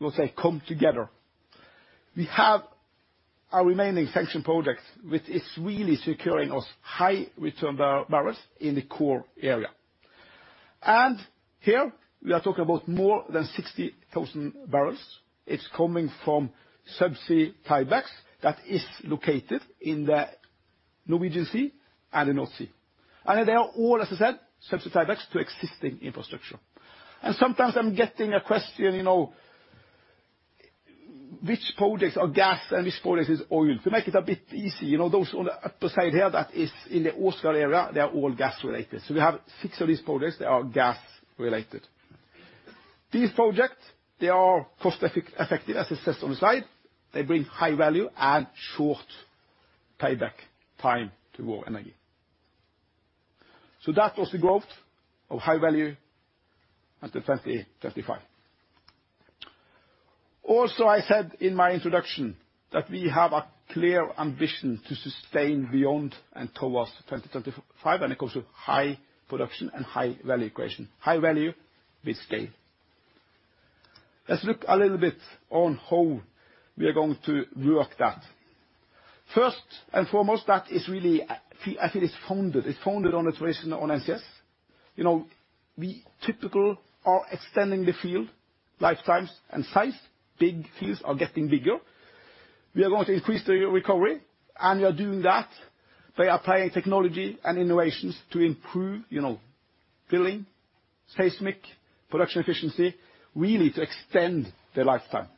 let's say, come together, we have our remaining sanction projects, which is really securing us high return barrels in the core area. Here, we are talking about more than 60,000 barrels. It's coming from subsea tie-backs that is located in the Norwegian Sea and the North Sea. They are all, as I said, subsea tie-backs to existing infrastructure. Sometimes I'm getting a question, you know, which projects are gas and which projects is oil? To make it a bit easy, you know, those on the upper side here that is in the Åsgard area, they are all gas-related. We have six of these projects that are gas-related. These projects, they are cost effective as it says on the side. They bring high value and short payback time to Vår Energi. That was the growth of high value until 2035. Also, I said in my introduction that we have a clear ambition to sustain beyond and towards 2035 when it comes to high production and high value creation. High value with scale. Let's look a little bit on how we are going to work that. First and foremost, that is really, I feel it's founded. It's founded on a tradition on NCS. You know, we typically are extending the field lifetimes and size. Big fields are getting bigger. We are going to increase the recovery, and we are doing that by applying technology and innovations to improve, you know, drilling, seismic, production efficiency, really to extend the lifetime.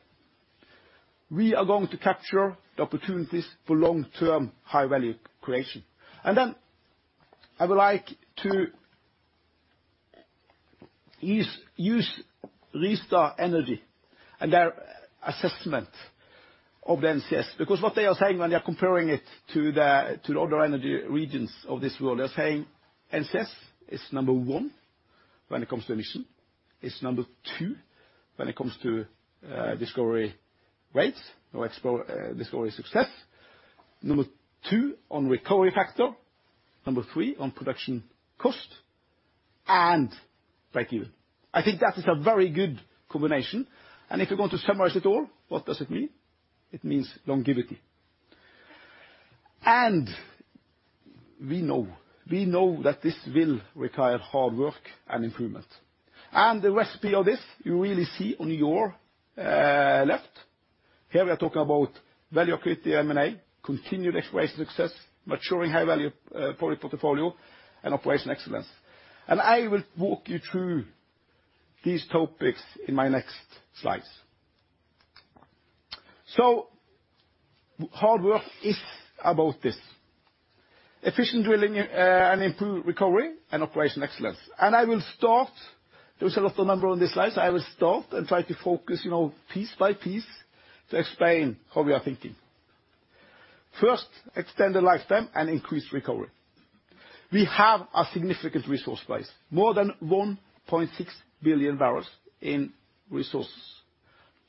We are going to capture the opportunities for long-term high-value creation. I would like to use Rystad Energy and their assessment of the NCS. Because what they are saying when they are comparing it to the other energy regions of this world, they are saying NCS is number one when it comes to emission. It's number two when it comes to discovery rates or explore discovery success. Number two on recovery factor, number three on production cost and breakeven. I think that is a very good combination. If you're going to summarize it all, what does it mean? It means longevity. We know that this will require hard work and improvement. The recipe of this you really see on your left. Here, we are talking about value-accretive M&A, continued exploration success, maturing high-value product portfolio, and operational excellence. I will walk you through these topics in my next slides. Hard work is about this. Efficient drilling and improved recovery and operational excellence. I will start—there was a lot of number on this slide. I will start and try to focus, you know, piece by piece to explain how we are thinking. First, extend the lifetime and increase recovery. We have a significant resource base, more than 1.6 billion barrels in resources.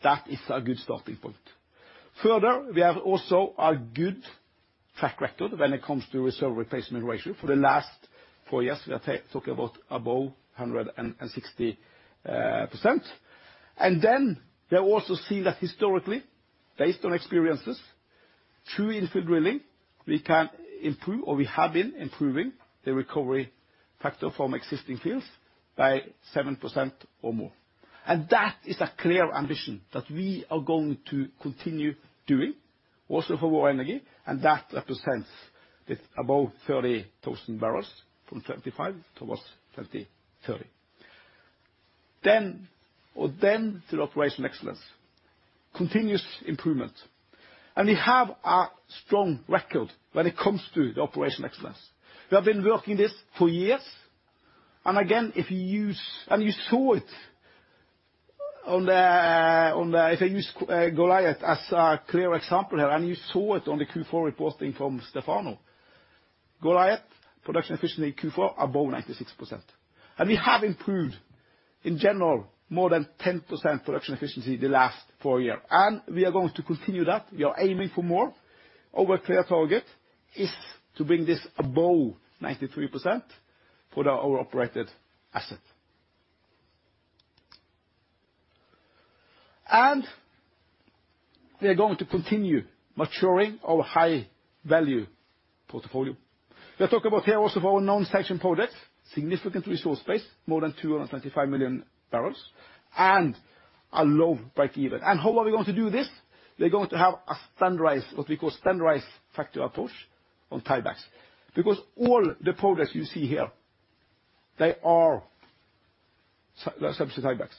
That is a good starting point. We have also a good track record when it comes to reserve replacement ratio. For the last four years, we are talking about above 160%. We have also seen that historically, based on experiences, through infill drilling, we can improve or we have been improving the recovery factor from existing fields by 7% or more. That is a clear ambition that we are going to continue doing also for Vår Energi, and that represents with above 30,000 barrels from 2025 towards 2030. To the operational excellence, continuous improvement. We have a strong record when it comes to the operational excellence. We have been working this for years. Again, if I use Goliat as a clear example here, and you saw it on the Q4 reporting from Stefano. Goliat production efficiency in Q4 above 96%. We have improved, in general, more than 10% production efficiency the last four years. We are going to continue that. We are aiming for more. Our clear target is to bring this above 93% for our operated assets. We are going to continue maturing our high-value portfolio. We are talking about here also of our non-section projects, significant resource base, more than 295 million barrels and a low breakeven. How are we going to do this? We're going to have a standardized, what we call standardized factor approach on tie-backs. All the products you see here, they are subsea tie-backs.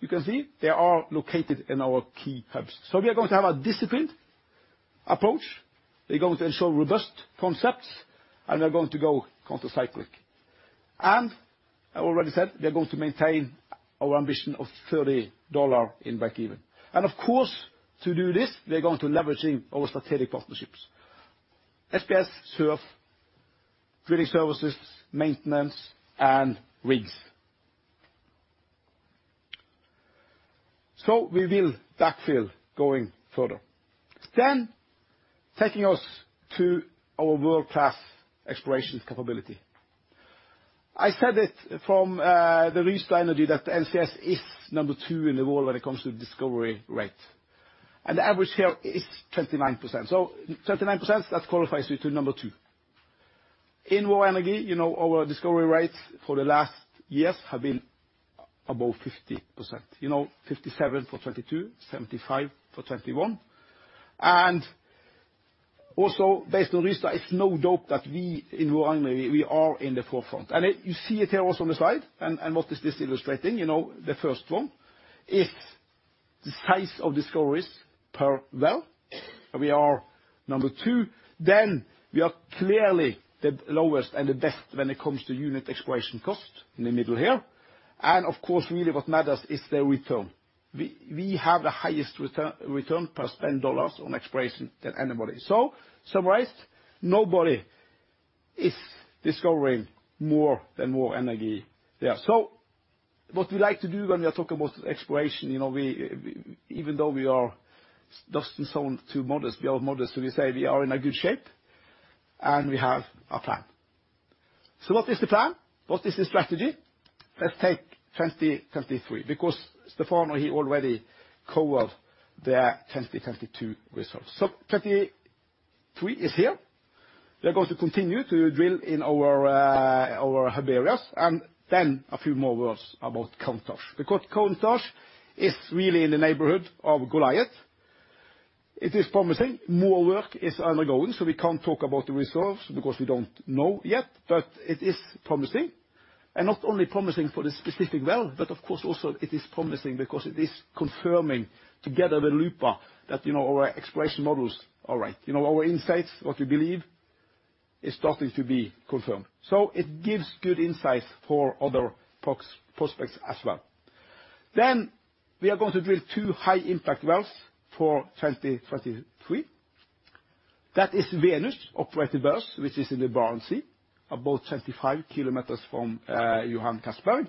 You can see they are located in our key hubs. We are going to have a disciplined approach. We're going to ensure robust concepts, and we are going to go counter cyclic. I already said we are going to maintain our ambition of $30 in breakeven. Of course, to do this, we are going to leveraging our strategic partnerships. SBS, service, drilling services, maintenance and rigs. We will backfill going further. Taking us to our world-class explorations capability. I said it from Vår Energi that NCS is number 2 in the world when it comes to discovery rate. The average here is 29%. So, 29%, that qualifies you to number two. In Vår Energi, you know, our discovery rates for the last years have been above 50%. You know, 57% for 2022, 75% for 2021. Based on this, there is no doubt that we in Vår Energi, we are in the forefront. You see it here also on the slide. What is this illustrating? You know, the first one is the size of discoveries per well, and we are number two. We are clearly the lowest and the best when it comes to unit exploration cost in the middle here. Of course, really what matters is the return. We have the highest return per spend USD on exploration than anybody. Summarized, nobody is discovering more than Vår Energi there. What we like to do when we are talking about exploration, you know, even though we are doesn't sound too modest, we are modest, so we say we are in a good shape, and we have a plan. What is the plan? What is the strategy? Let's take 2023 because Stefano, he already covered the 2022 results. '23 is here. We are going to continue to drill in our hub areas and then a few more words about Countach. Because Countach is really in the neighborhood of Goliat. It is promising. More work is undergoing, so we can't talk about the results because we don't know yet. It is promising. Not only promising for this specific well, but of course also it is promising because it is confirming together with Lupa that, you know, our exploration models are right. You know, our insights, what we believe. It's starting to be confirmed. It gives good insights for other prospects as well. We are going to drill two high-impact wells for 2023. That is Venus, operated wells, which is in the Barents Sea, about 25 km from Johan Castberg.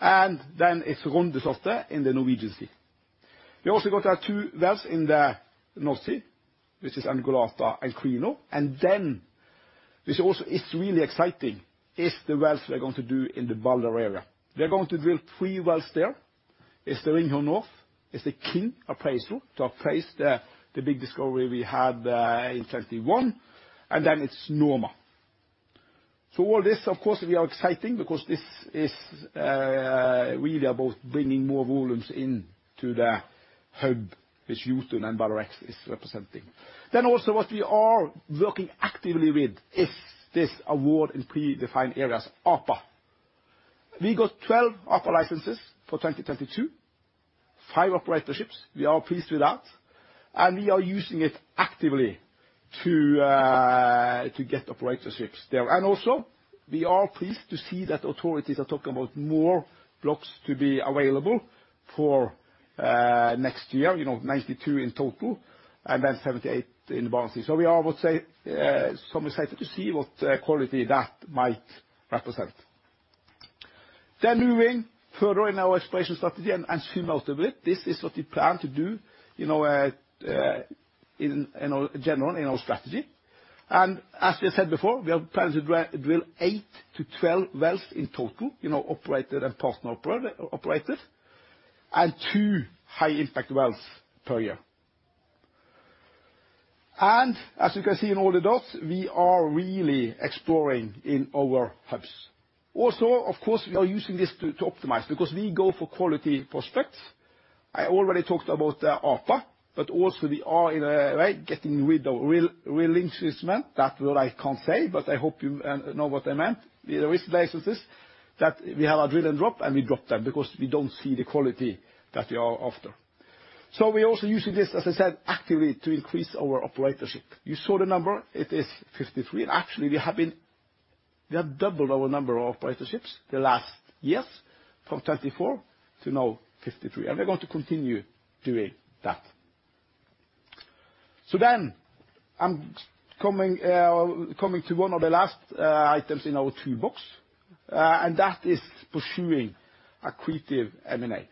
It's Rondeslottet in the Norwegian Sea. We also got our two wells in the North Sea, which is Angulata and King. This also is really exciting, is the wells we're going to do in the Balder area. We are going to drill three wells there. It's the Ringhorne North, it's the King appraisal, to appraise the big discovery we had in 2021, and then it's Norma. All this, of course, we are excited because this is really about bringing more volumes into the hub, which Jotun FPSO and Balder X is representing. Also what we are working actively with is this award in predefined areas, APA. We got 12 APA licenses for 2022, five operatorships. We are pleased with that. We are using it actively to get operatorships there. Also, we are pleased to see that authorities are talking about more blocks to be available for next year, you know, 92 in total, then 78 in the Barents Sea. We are, I would say, some excited to see what quality that might represent. Moving further in our exploration strategy and similar to it, this is what we plan to do, you know, in, you know, general, in our strategy. As we said before, we are planning to drill eight to 12 wells in total, you know, operated and partner operated, and two high-impact wells per year. As you can see in all the dots, we are really exploring in our hubs. Also, of course, we are using this to optimize because we go for quality prospects. I already talked about the APA, also we are in a way getting rid of relinquishment. That word, I can't say, I hope you know what I meant. The recent licenses that we have a drill and drop, we drop them because we don't see the quality that we are after. We're also using this, as I said, actively to increase our operatorship. You saw the number, it is 53. Actually we have been—we have doubled our number of operatorships the last years from 24 to now 53, and we're going to continue doing that. I'm coming to one of the last items in our toolbox, and that is pursuing accretive M&A.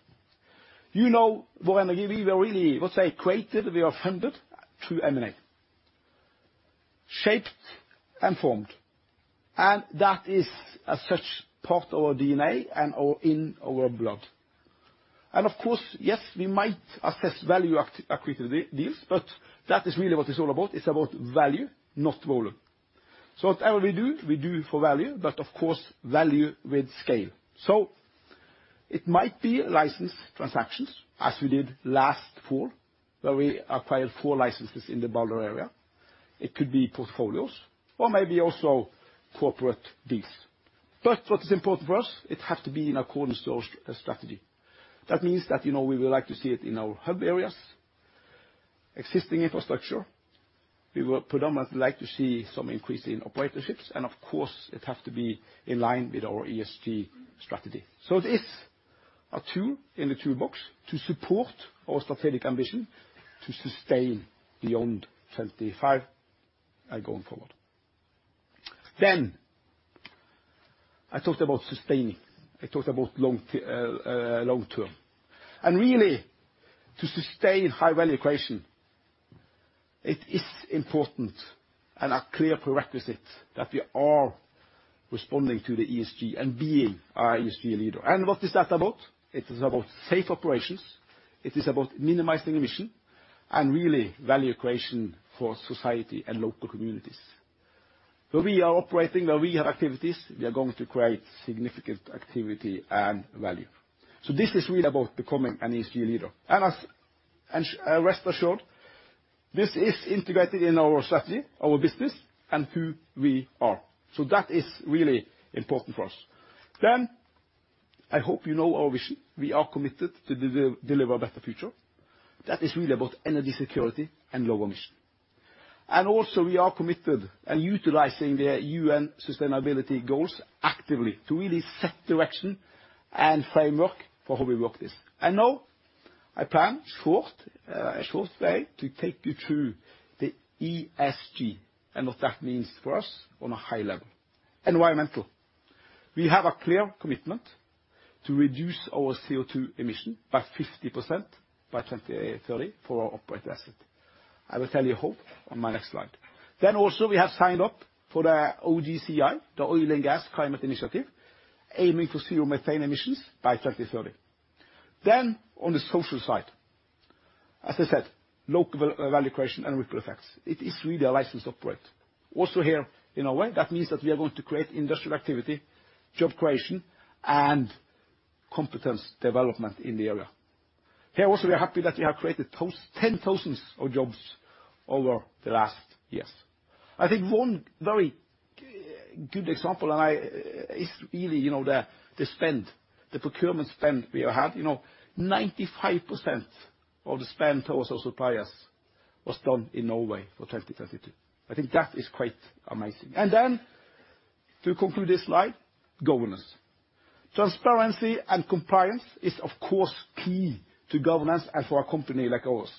You know, Vår Energi, we were really, let's say, accreted. We were founded through M&A, shaped and formed. That is as such part of our DNA and our blood. Of course, yes, we might assess value accretive deals, but that is really what it's all about. It's about value, not volume. Whatever we do, we do for value, but of course value with scale. It might be license transactions, as we did last fall, where we acquired four licenses in the Balder area. It could be portfolios or maybe also corporate deals. What is important for us, it has to be in accordance to our strategy. Means that, you know, we would like to see it in our hub areas, existing infrastructure. We will predominantly like to see some increase in operatorships, and of course it has to be in line with our ESG strategy. It is a tool in the toolbox to support our strategic ambition to sustain beyond 2025 and going forward. I talked about sustaining, I talked about long term. Really to sustain high-value creation, it is important and a clear prerequisite that we are responding to the ESG and being a ESG leader. What is that about? It is about safe operations. It is about minimizing emission and really value creation for society and local communities. Where we are operating, where we have activities, we are going to create significant activity and value. This is really about becoming an ESG leader. As, and rest assured, this is integrated in our strategy, our business, and who we are. That is really important for us. I hope you know our vision. We are committed to deliver a better future. That is really about energy security and lower emission. Also, we are committed and utilizing the UN sustainability goals actively to really set direction and framework for how we work this. Now I plan a short way to take you through the ESG and what that means for us on a high level. Environmental. We have a clear commitment to reduce our CO2 emission by 50% by 2030 for our operated asset. I will tell you how on my next slide. Also, we have signed up for the OGCI, the Oil and Gas Climate Initiative, aiming for zero methane emissions by 2030. On the social side, as I said, local value creation and ripple effects. It is really a license to operate. Also here in a way, that means that we are going to create industrial activity, job creation, and competence development in the area. Here also, we are happy that we have created 10,000s of jobs over the last years. I think one good example, and it's really, you know, the spend, the procurement spend we have had. You know, 95% of the spend towards our suppliers was done in Norway for 2032. I think that is quite amazing. To conclude this slide, governance. Transparency and compliance is of course, key to governance and for a company like ours.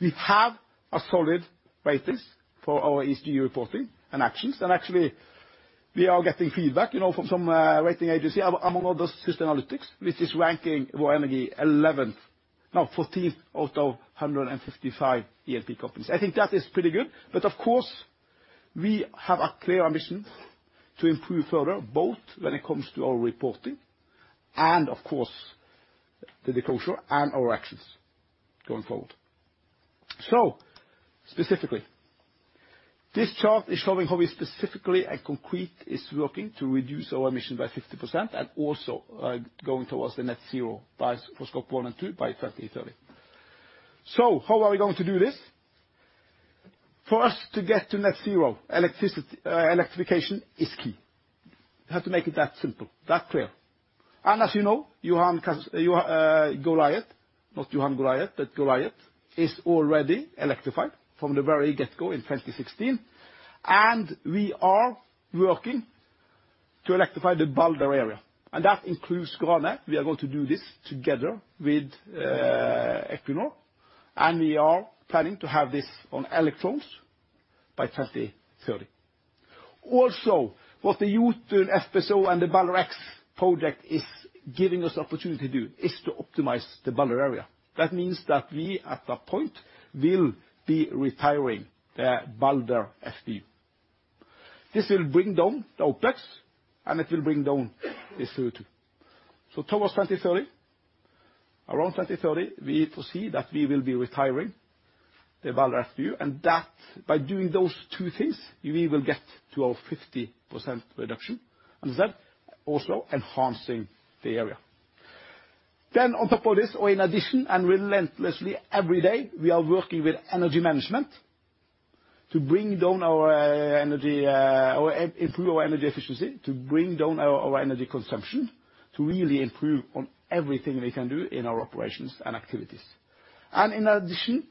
We have a solid basis for our ESG reporting and actions. Actually, we are getting feedback, you know, from some rating agency. Among others, Sustainalytics, which is ranking Vår Energi 14th out of 155 E&P companies. I think that is pretty good. Of course, we have a clear mission to improve further, both when it comes to our reporting and of course the disclosure and our actions going forward. Specifically, this chart is showing how we specifically and concrete is working to reduce our emission by 50% and also going towards the net zero by, for Scope 1 and 2 by 2030. How are we going to do this? For us to get to net zero electrification is key. We have to make it that simple, that clear. As you know, Goliat, not "Johan Goliat", but Goliat is already electrified from the very get-go in 2016. We are working to electrify the Balder area, and that includes Skarvnett. We are going to do this together with Equinor, and we are planning to have this on electrons by 2030. What the Jotun FPSO and the Balder X project is giving us opportunity to do is to optimize the Balder area. That means that we, at that point, will be retiring the Balder FPU. This will bring down the OpEx, and it will bring down the CO2. Towards 2030, around 2030, we foresee that we will be retiring the Balder FPU. That, by doing those two things, we will get to our 50% reduction and then also enhancing the area. On top of this or in addition, and relentlessly every day, we are working with energy management to bring down our energy, or improve our energy efficiency, to bring down our energy consumption to really improve on everything we can do in our operations and activities. In addition,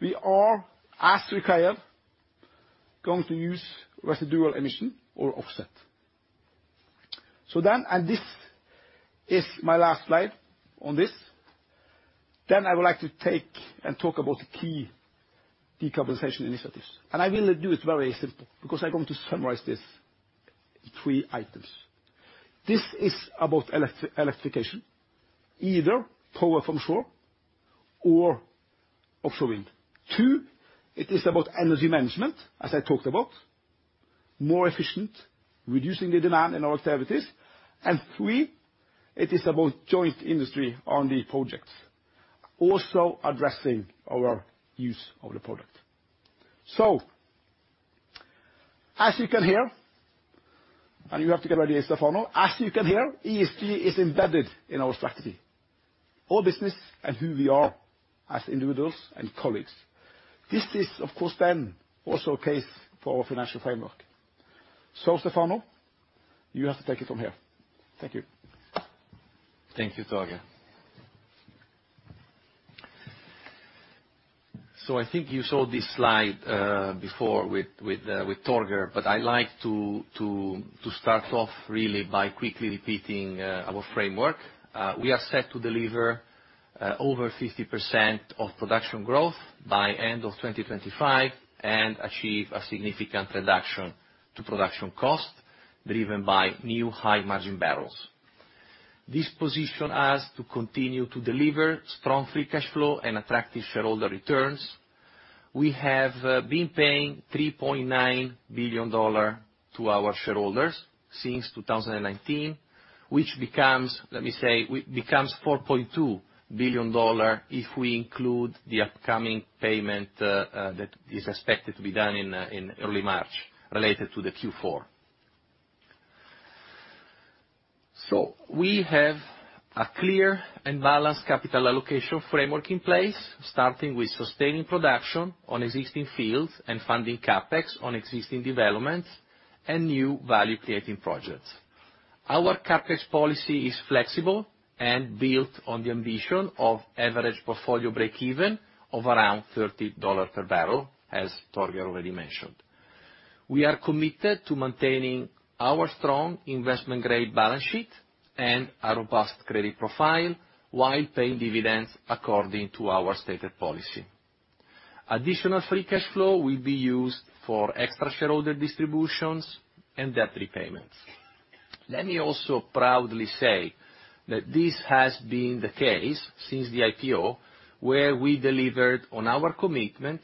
we are, as required, going to use residual emission or offset. This is my last slide on this, then I would like to take and talk about the key decarbonization initiatives. I will do it very simple because I'm going to summarize this in three items. This is about electrification, either power from shore or offshore wind. Two, it is about energy management, as I talked about, more efficient, reducing the demand in our activities. Three, it is about joint industry on the projects, also addressing our use of the product. As you can hear, and you have to get ready, Stefano. As you can hear, ESG is embedded in our strategy, our business, and who we are as individuals and colleagues. This is of course then also a case for our financial framework. Stefano, you have to take it from here. Thank you. Thank you, Torger. I think you saw this slide before with Torger. I like to start off really by quickly repeating our framework. We are set to deliver over 50% of production growth by end of 2025 and achieve a significant reduction to production cost driven by new high-margin barrels. This position has to continue to deliver strong free cash flow and attractive shareholder returns. We have been paying $3.9 billion to our shareholders since 2019, which becomes $4.2 billion if we include the upcoming payment that is expected to be done in early March related to the Q4. We have a clear and balanced capital allocation framework in place, starting with sustaining production on existing fields and funding CapEx on existing developments and new value-creating projects. Our CapEx policy is flexible and built on the ambition of average portfolio breakeven of around $30 per barrel, as Torger already mentioned. We are committed to maintaining our strong investment-grade balance sheet and a robust credit profile while paying dividends according to our stated policy. Additional free cash flow will be used for extra shareholder distributions and debt repayments. Let me also proudly say that this has been the case since the IPO, where we delivered on our commitment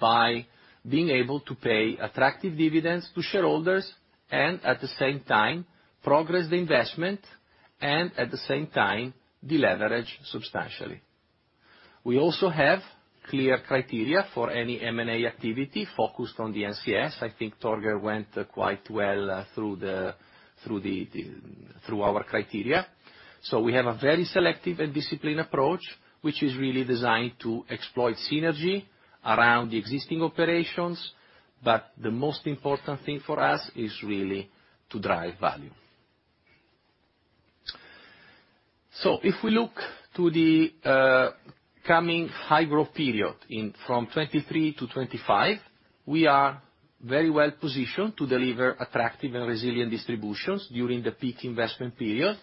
by being able to pay attractive dividends to shareholders and at the same time progress the investment and at the same time de-leverage substantially. We also have clear criteria for any M&A activity focused on the NCS. I think Torger went quite well through our criteria. We have a very selective and disciplined approach, which is really designed to exploit synergy around the existing operations, but the most important thing for us is really to drive value. If we look to the coming high-growth period in from 2023-2025, we are very well positioned to deliver attractive and resilient distributions during the peak investment period.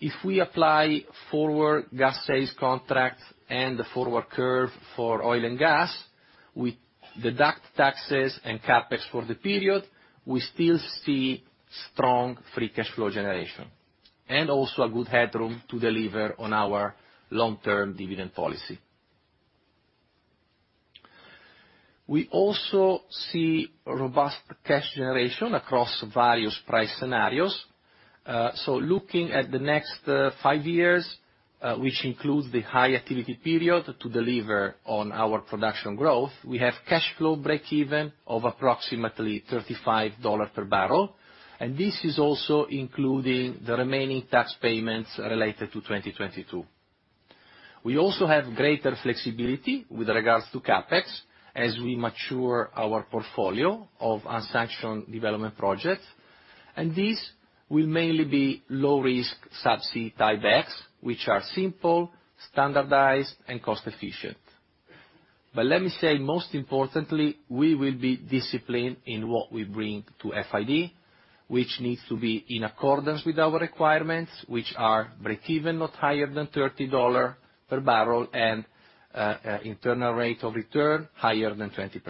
If we apply forward gas sales contracts and the forward curve for oil and gas, we deduct taxes and CapEx for the period, we still see strong free cash flow generation, and also a good headroom to deliver on our long-term dividend policy. We also see robust cash generation across various price scenarios. Looking at the next five years, which includes the high activity period to deliver on our production growth, we have cash flow break even of approximately $35 per barrel, and this is also including the remaining tax payments related to 2022. We also have greater flexibility with regards to CapEx as we mature our portfolio of unsanctioned development projects. These will mainly be low-risk subsea tie-backs, which are simple, standardized, and cost efficient. Let me say most importantly, we will be disciplined in what we bring to FID, which needs to be in accordance with our requirements, which are break even not higher than $30 per barrel and internal rate of return higher than 20%.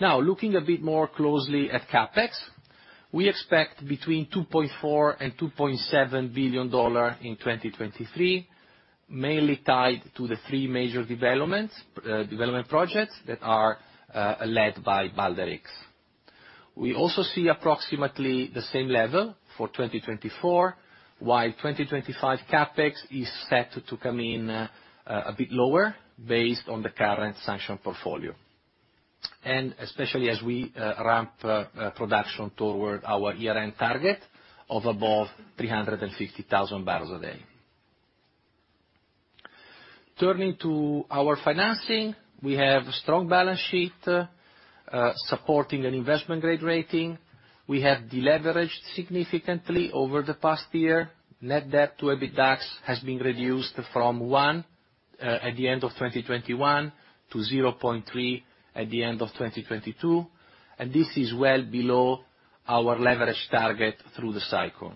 Looking a bit more closely at CapEx, we expect between $2.4 billion and $2.7 billion in 2023, mainly tied to the three major developments, development projects that are led by Balder X. We also see approximately the same level for 2024, while 2025 CapEx is set to come in a bit lower based on the current sanction portfolio. Especially as we ramp up production toward our year-end target of above 350,000 barrels a day. Turning to our financing, we have strong balance sheet supporting an investment-grade rating. We have deleveraged significantly over the past year. Net debt to EBITDA has been reduced from 1x at the end of 2021 to 0.3x at the end of 2022, this is well below our leverage target through the cycle.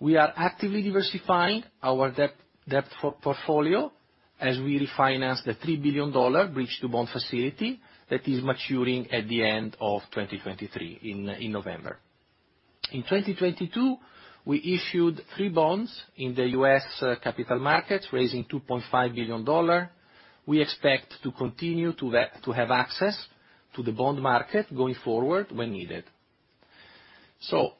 We are actively diversifying our debt for portfolio as we refinance the $3 billion bridge-to-bond facility that is maturing at the end of 2023 in November. In 2022, we issued three bonds in the U.S. capital markets, raising $2.5 billion. We expect to continue to have access to the bond market going forward when needed.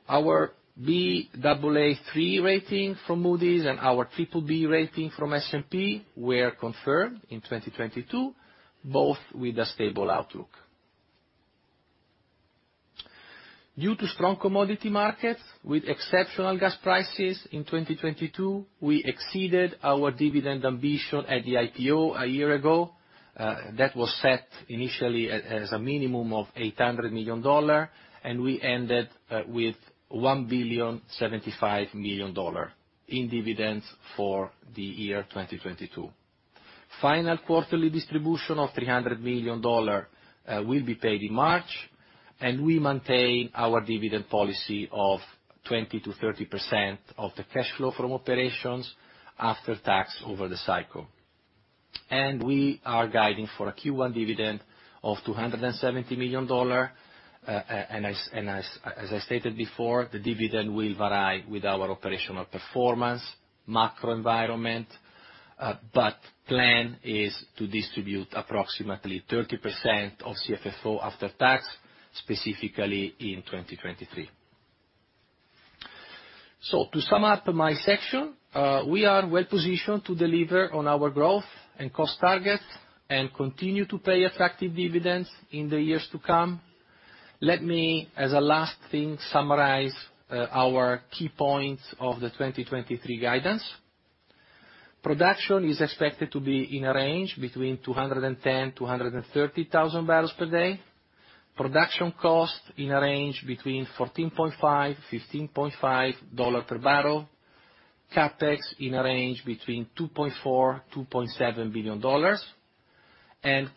Our Baa3 rating from Moody's and our BBB rating from S&P were confirmed in 2022, both with a stable outlook. Due to strong commodity markets with exceptional gas prices in 2022, we exceeded our dividend ambition at the IPO a year ago, that was set initially as a minimum of $800 million, and we ended with $1.075 billion in dividends for the year 2022. Final quarterly distribution of $300 million will be paid in March. We maintain our dividend policy of 20%-30% of the cash flow from operations after tax over the cycle. We are guiding for a Q1 dividend of $270 million. As I stated before, the dividend will vary with our operational performance, macro environment, plan is to distribute approximately 30% of CFFO after tax, specifically in 2023. To sum up my section, we are well-positioned to deliver on our growth and cost targets and continue to pay attractive dividends in the years to come. Let me, as a last thing, summarize our key points of the 2023 guidance. Production is expected to be in a range between 210,000-230,000 barrels per day. Production cost in a range between $14.5-$15.5 per barrel. CapEx in a range between $2.4 billion-$2.7 billion.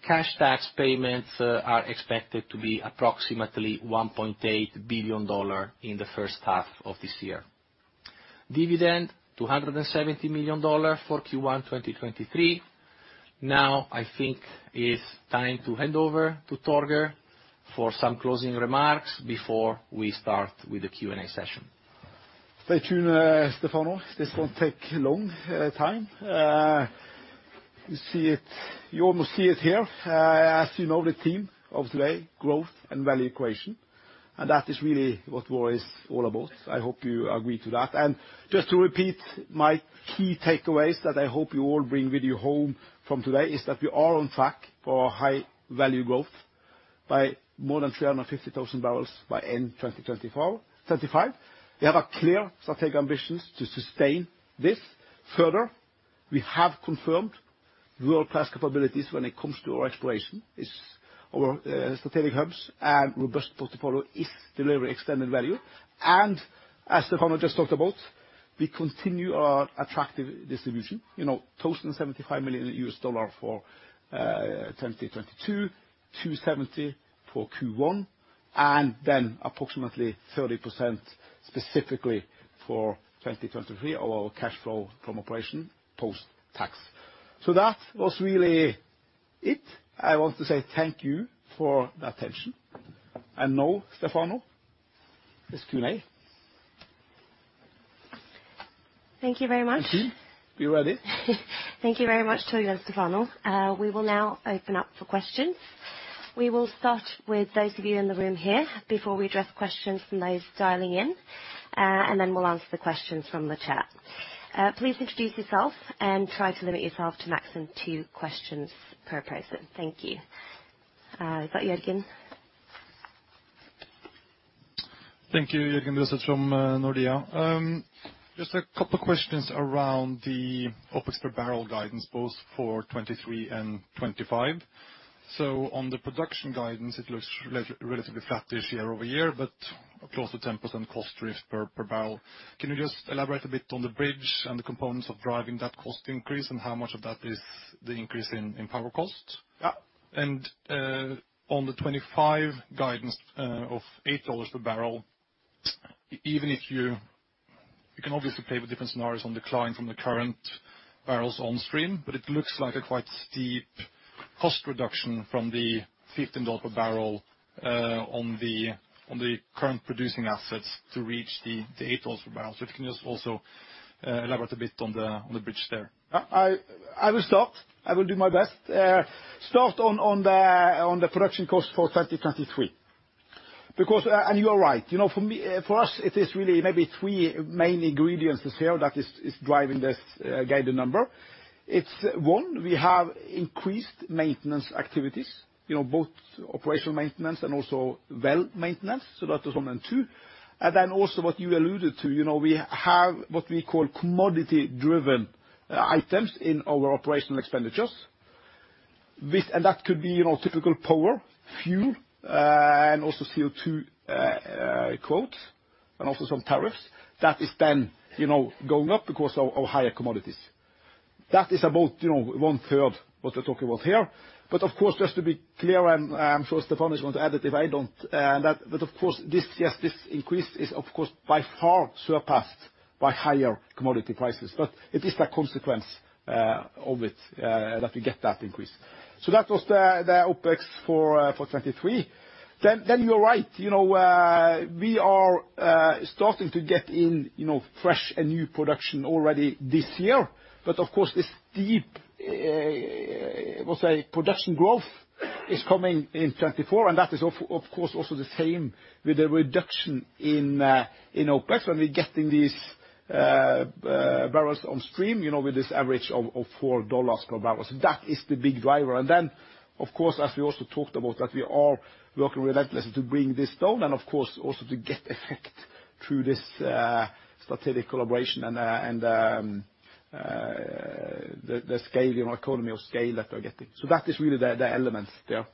Cash tax payments are expected to be approximately $1.8 billion in the first half of this year. Dividend, $270 million for Q1 2023. I think it's time to hand over to Torger for some closing remarks before we start with the Q&A session. Stay tuned, Stefano. This won't take long time. You see it, you almost see it here. As you know, the theme of today, growth and value creation. That is really what Vår Energi all about. I hope you agree to that. Just to repeat my key takeaways that I hope you all bring with you home from today is that we are on track for our high-value growth by more than 350,000 barrels by end of 2025. We have a clear strategic ambitions to sustain this further. We have confirmed world-class capabilities when it comes to our exploration is our strategic hubs and robust portfolio is delivering extended value. As Stefano just talked about, we continue our attractive distribution, you know, $1.075 billion for 2022, $270 million for Q1 and then approximately 30% specifically for 2023 of our cash flow from operation post-tax. That was really it. I want to say thank you for the attention. Now, Stefano, this Q&A. Thank you very much. Marie, you ready? Thank you very much to you, Stefano. We will now open up for questions. We will start with those of you in the room here before we address questions from those dialing in, and then we'll answer the questions from the chat. Please introduce yourself and try to limit yourself to maximum two questions per person. Thank you. Is that Jørgen? Thank you. Jørgen Bruaset from Nordea. Just a couple questions around the OpEx per barrel guidance both for 2023 and 2025. On the production guidance, it looks relatively flat this year-over-year, but close to 10% cost drift per barrel. Can you just elaborate a bit on the bridge and the components of driving that cost increase, and how much of that is the increase in power cost? Yeah. On the 2025 guidance of $8 per barrel, even if you can obviously play with different scenarios on decline from the current barrels on stream, but it looks like a quite steep cost reduction from the $15 per barrel on the, on the current producing assets to reach the $8 per barrel. Can you just also elaborate a bit on the, on the bridge there? I will start. I will do my best. start on the production cost for 2023. you are right, you know, for us, it is really maybe three main ingredients this year that is driving this guided number. It's one, we have increased maintenance activities, you know, both operational maintenance and also well maintenance, so that is one and two. Also what you alluded to, you know, we have what we call commodity-driven items in our OpEx. that could be, you know, typical power, fuel, and also CO2 quotes and also some tariffs that is then, you know, going up because of higher commodities. That is about, you know, one-third what we're talking about here. Of course, just to be clear, and, so Stefano is going to add it if I don't, that, but of course this, yes, this increase is of course by far surpassed by higher commodity prices. It is a consequence of it that we get that increase. That was the OpEx for 2023. Then, you're right, you know, we are starting to get in, you know, fresh and new production already this year. Of course, this deep, we'll say production growth is coming in 2024, and that is of course also the same with the reduction in OpEx when we're getting these barrels on stream, you know, with this average of $4 per barrel. That is the big driver. Of course, as we also talked about, that we are working relentlessly to bring this down, and of course, also to get effect through this strategic collaboration and the scale, you know, economy of scale that we're getting. So that is really the elements there.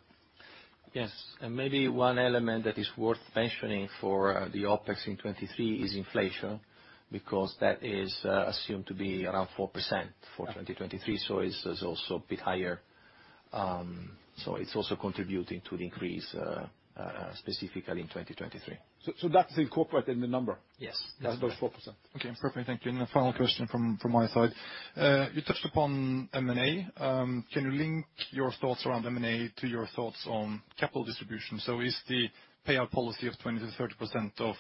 Yes. Maybe one element that is worth mentioning for the OpEx in 2023 is inflation, because that is assumed to be around 4% for 2023, it's also a bit higher. It's also contributing to the increase specifically in 2023. That's incorporated in the number? Yes. That's those 4%. Okay, perfect. Thank you. A final question from my side. You touched upon M&A. Can you link your thoughts around M&A to your thoughts on capital distribution? Is the payout policy of 20%-30% of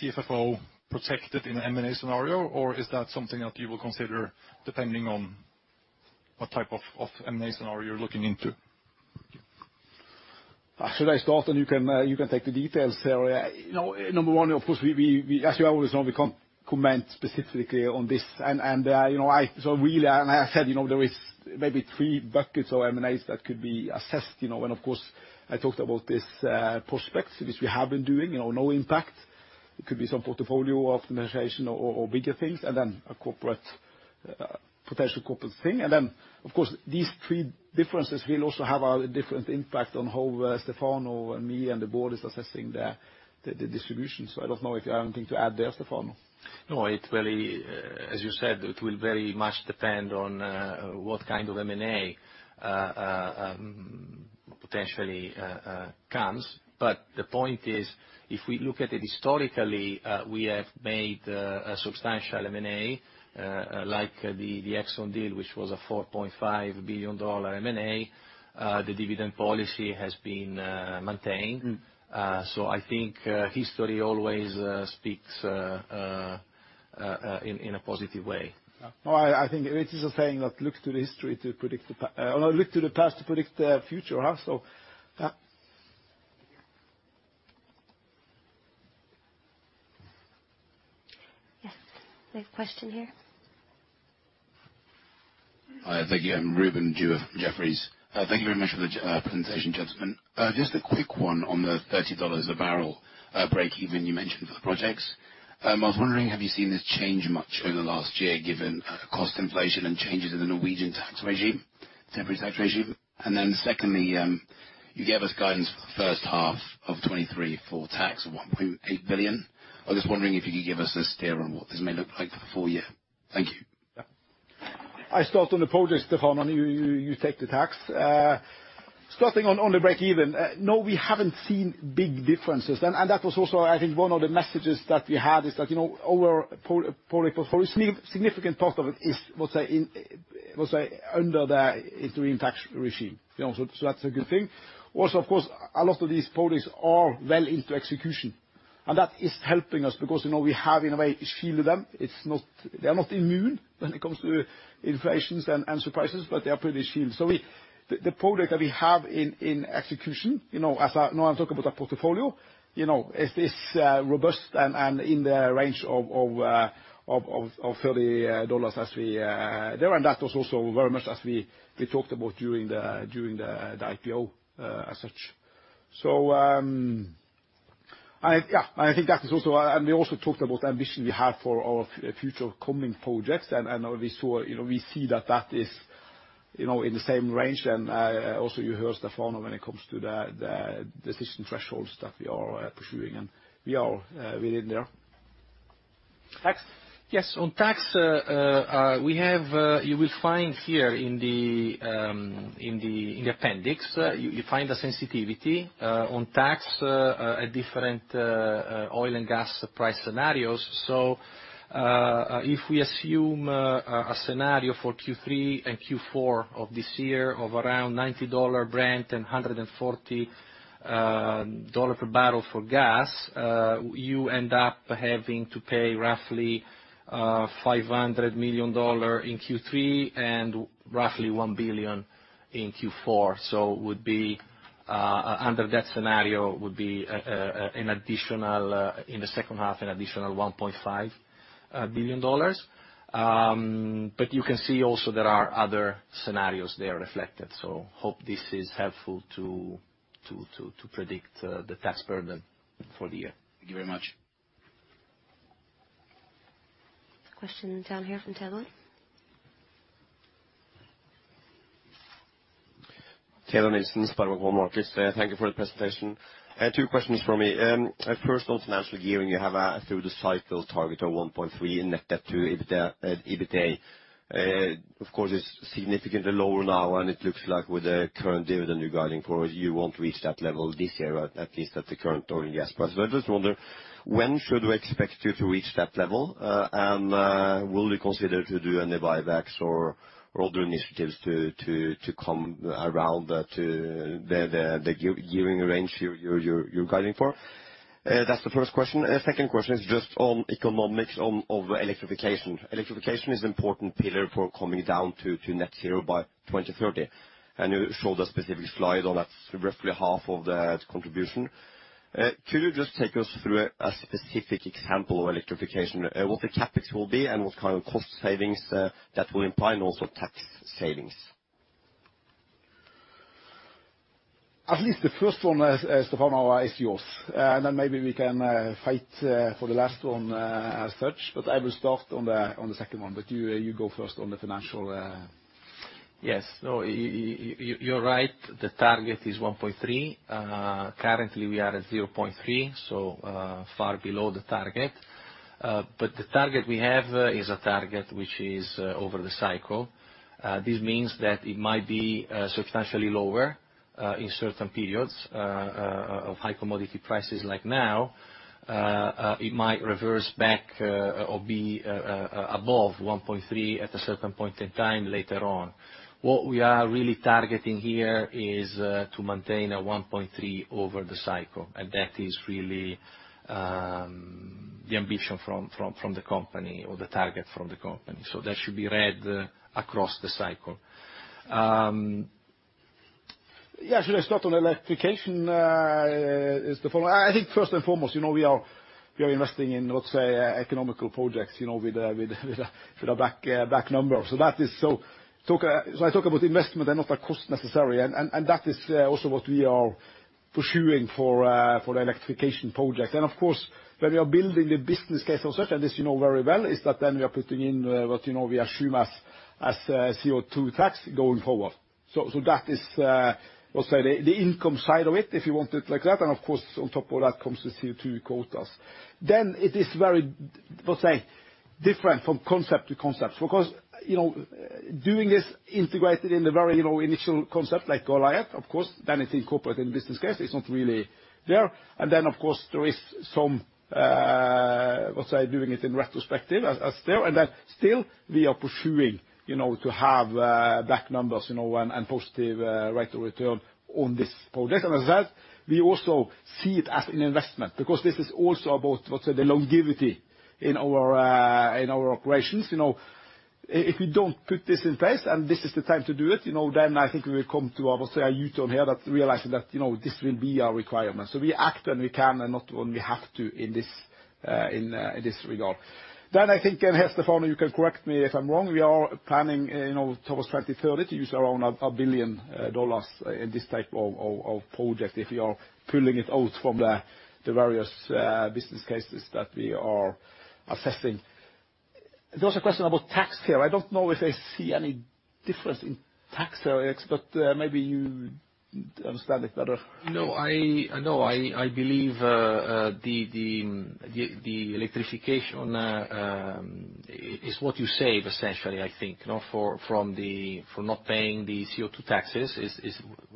CFFO protected in the M&A scenario, or is that something that you will consider depending on what type of M&A scenario you're looking into? Should I start and you can, you can take the details there? You know, number one, of course, we, we as you always know, we can't comment specifically on this. You know, I said, you know, there is maybe three buckets of M&As that could be assessed, you know. Of course I talked about this prospects, which we have been doing, you know, no impact. It could be some portfolio optimization or bigger things and then a corporate, potential corporate thing. Then, of course, these three differences will also have a different impact on how Stefano and me and the Board is assessing the, the distribution. I don't know if you have anything to add there, Stefano. No, it very, as you said, it will very much depend on what kind of M&A potentially comes. The point is, if we look at it historically, we have made a substantial M&A, like the ExxonMobil deal, which was a $4.5 billion M&A, the dividend policy has been maintained.I think history always speaks in a positive way. Yeah. No, I think it is a saying that look to the history to predict or look to the past to predict the future, huh? Yeah. Yes. We have a question here. Hi. Thank you. I'm Ruben Dewa of Jefferies. Thank you very much for the presentation, gentlemen. Just a quick one on the $30 a barrel breakeven you mentioned for the projects. I was wondering, have you seen this change much over the last year, given cost inflation and changes in the Norwegian tax regime, temporary tax regime? Secondly, you gave us guidance for the first half of 2023 for tax of $1.8 billion. I was just wondering if you could give us a steer on what this may look like for the full year. Thank you. Yeah. I start on the projects, Stefano, and you take the tax. Starting on the breakeven. No, we haven't seen big differences. That was also, I think, one of the messages that we had is that, you know, our project portfolio, significant part of it is, let's say in, let's say under the interim tax regime. You know, that's a good thing. Also, of course, a lot of these projects are well into execution, and that is helping us because, you know, we have, in a way, shielded them. It's not. They are not immune when it comes to inflations and surprises. They are pretty shielded. The project that we have in execution, you know, now I'm talking about a portfolio, you know, is this robust and in the range of $30 as we there. That was also very much as we talked about during the IPO as such. I think that is also. We also talked about the ambition we have for our future coming projects and we saw, you know, we see that that is, you know, in the same range. Also you heard Stefano when it comes to the decision thresholds that we are pursuing, and we are within there. Tax? Yes. On tax, we have, you will find here in the appendix, you find a sensitivity on tax at different oil and gas price scenarios. If we assume a scenario for Q3 and Q4 of this year of around $90 Brent and $140 per barrel for gas, you end up having to pay roughly $500 million in Q3 and roughly $1 billion in Q4. Under that scenario would be an additional in the second half, an additional $1.5 billion. But you can see also there are other scenarios there reflected. Hope this is helpful to predict the tax burden for the year. Thank you very much. Question down here from Teodor. Teodor Sveen-Nilsen, SpareBank 1 Markets. Thank you for the presentation. I have two questions for me. First on financial gearing, you have through the cycle target of 1.3x net debt to EBITDA. Of course, it's significantly lower now, and it looks like with the current dividend you're guiding for, you won't reach that level this year, at least at the current oil and gas price. I just wonder, when should we expect you to reach that level? Will you consider to do any buybacks or other initiatives to come around to the gearing range you're guiding for? That's the first question. Second question is just on economics of electrification. Electrification is important pillar for coming down to net zero by 2030. You showed a specific slide on that, roughly half of the contribution. Could you just take us through a specific example of electrification, what the CapEx will be and what kind of cost savings, that will imply and also tax savings? At least the first one, Stefano, is yours. Then maybe we can fight for the last one as such. I will start on the, on the second one. You, you go first on the financial— Yes. No, you're right, the target is 1.3x. Currently we are at 0.3x, so far below the target. The target we have is a target which is over the cycle. This means that it might be substantially lower in certain periods of high commodity prices like now. It might reverse back or be above 1.3x at a certain point in time later on. What we are really targeting here is to maintain a 1.3x over the cycle, and that is really the ambition from the company or the target from the company. That should be read across the cycle. Should I start on electrification, Stefano? I think first and foremost, you know, we are investing in, let's say, economical projects, you know, with a back number. I talk about investment and not a cost necessary. That is also what we are pursuing for the electrification project. Of course, when we are building the business case as such, and this you know very well, is that then we are putting in what, you know, we assume as CO2 tax going forward. That is, let's say, the income side of it, if you want it like that. Of course, on top of that comes the CO2 quotas. It is very, let's say, different from concept to concepts, because, you know, doing this integrated in the very, you know, initial concept like Goliat, of course, then it's incorporated in the business case. It's not really there. Of course, there is some, let's say, doing it in retrospective as there. Still we are pursuing, you know, to have back numbers, you know, and positive rate of return on this project. As such, we also see it as an investment, because this is also about, let's say, the longevity in our in our operations. You know. If we don't put this in place, and this is the time to do it, you know, then I think we will come to, I would say, a U-turn here that realizing that, you know, this will be our requirement. We act when we can and not when we have to in this, in this regard. I think, and here, Stefano, you can correct me if I'm wrong, we are planning, you know, towards 2030 to use around $1 billion in this type of project if we are pulling it out from the various business cases that we are assessing. There was a question about tax here. I don't know if I see any difference in tax here, maybe you understand it better. No, I believe the electrification is what you save essentially, I think, you know, for not paying the CO2 taxes.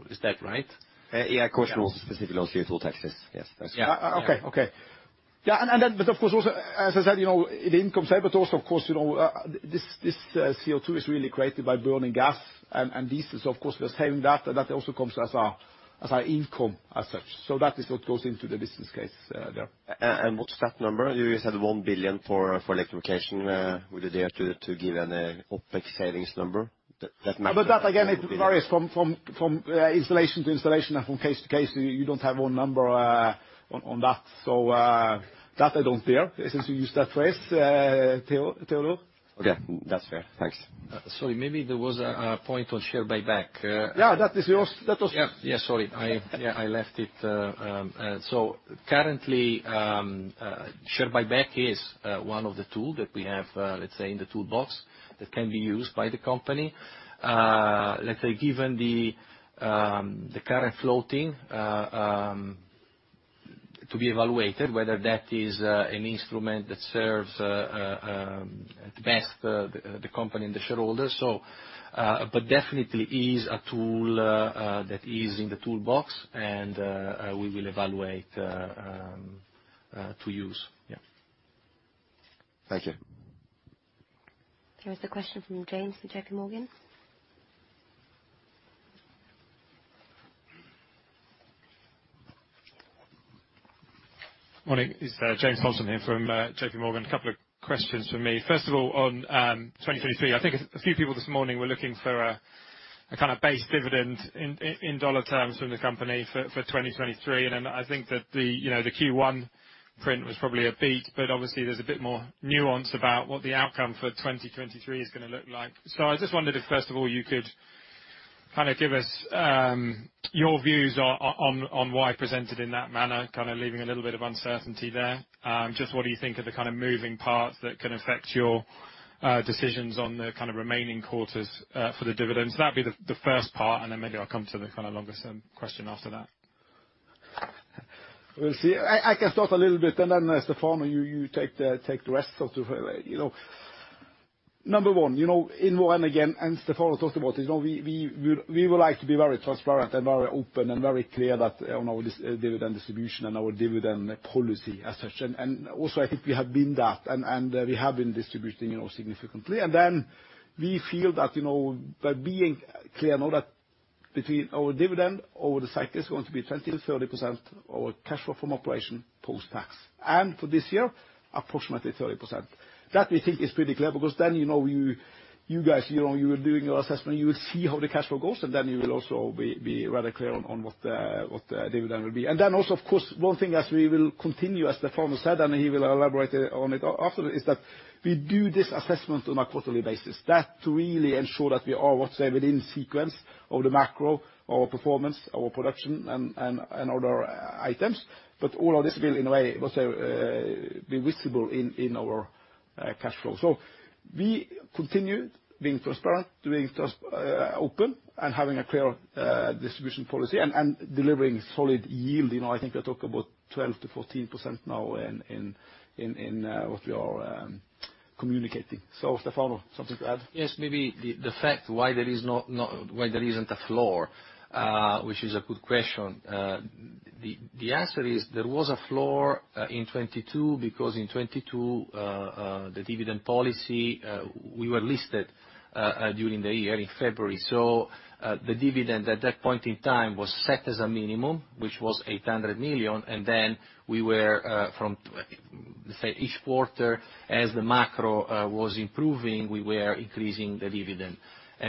Is that right? Yeah. Of course, specifically on CO2 taxes. Yes, that's correct. Yeah. Okay, okay. Yeah. Of course, also, as I said, you know, it incomes there. Also of course, you know, this CO2 is really created by burning gas and diesel. Of course, we are saving that, and that also comes as a income as such. That is what goes into the business case there. What's that number? You said 1 billion for electrification. Would you dare to give any OpEx savings number that might— That, again, it varies from installation to installation and from case to case. You don't have one number on that. That I don't dare, since you use that phrase, Teodor. Okay. That's fair. Thanks. Sorry, maybe there was a point on share buyback. Yeah, that is yours. Yeah. Sorry. I left it. Currently, share buyback is one of the tool that we have, let's say, in the toolbox that can be used by the company. Let's say given the current floating, to be evaluated, whether that is an instrument that serves the best the company and the shareholders. Definitely is a tool that is in the toolbox, and we will evaluate to use. Yeah. Thank you. There was a question from James Thompson from JPMorgan. Morning. It's James Thompson here from JPMorgan. A couple of questions from me. First of all, on 2023, I think a few people this morning were looking for a kind of base dividend in dollar terms from the company for 2023. I think that the, you know, the Q1 print was probably a beat, but obviously there's a bit more nuance about what the outcome for 2023 is gonna look like. I just wondered if, first of all, you could kind of give us your views on why presented in that manner, kind of leaving a little bit of uncertainty there. Just what do you think are the kind of moving parts that can affect your decisions on the kind of remaining quarters for the dividends? That'd be the first part, then maybe I'll come to the kind of longer-term question after that. We'll see. I can start a little bit, and then, Stefano, you take the rest of the, you know. Number one, you know, in one again, Stefano talked about it, you know, we would like to be very transparent and very open and very clear that on our dividend distribution and our dividend policy as such. Also, I think we have been that, and we have been distributing, you know, significantly. We feel that, you know, by being clear now that between our dividend over the cycle is going to be 20%-30% our cash flow from operation post-tax, and for this year, approximately 30%. That we think is pretty clear because then you know you guys, you know, you are doing your assessment, you will see how the cash flow goes, and then you will also be rather clear on what what dividend will be. Then also, of course, one thing as we will continue, as Stefano said, and he will elaborate on it after, is that we do this assessment on a quarterly basis. That to really ensure that we are, let's say, within sequence of the macro, our performance, our production, and other items. All of this will, in a way, let's say, be visible in our cash flow. We continue being transparent, being open, and having a clear distribution policy and delivering solid yield. You know, I think I talk about 12%-14% now in what we are communicating. Stefano, something to add? Yes. Maybe the fact why there isn't a floor, which is a good question. The answer is there was a floor in 2022, because in 2022, the dividend policy, we were listed during the year in February. The dividend at that point in time was set as a minimum, which was $800 million, and then we were from let's say each quarter as the macro was improving, we were increasing the dividend.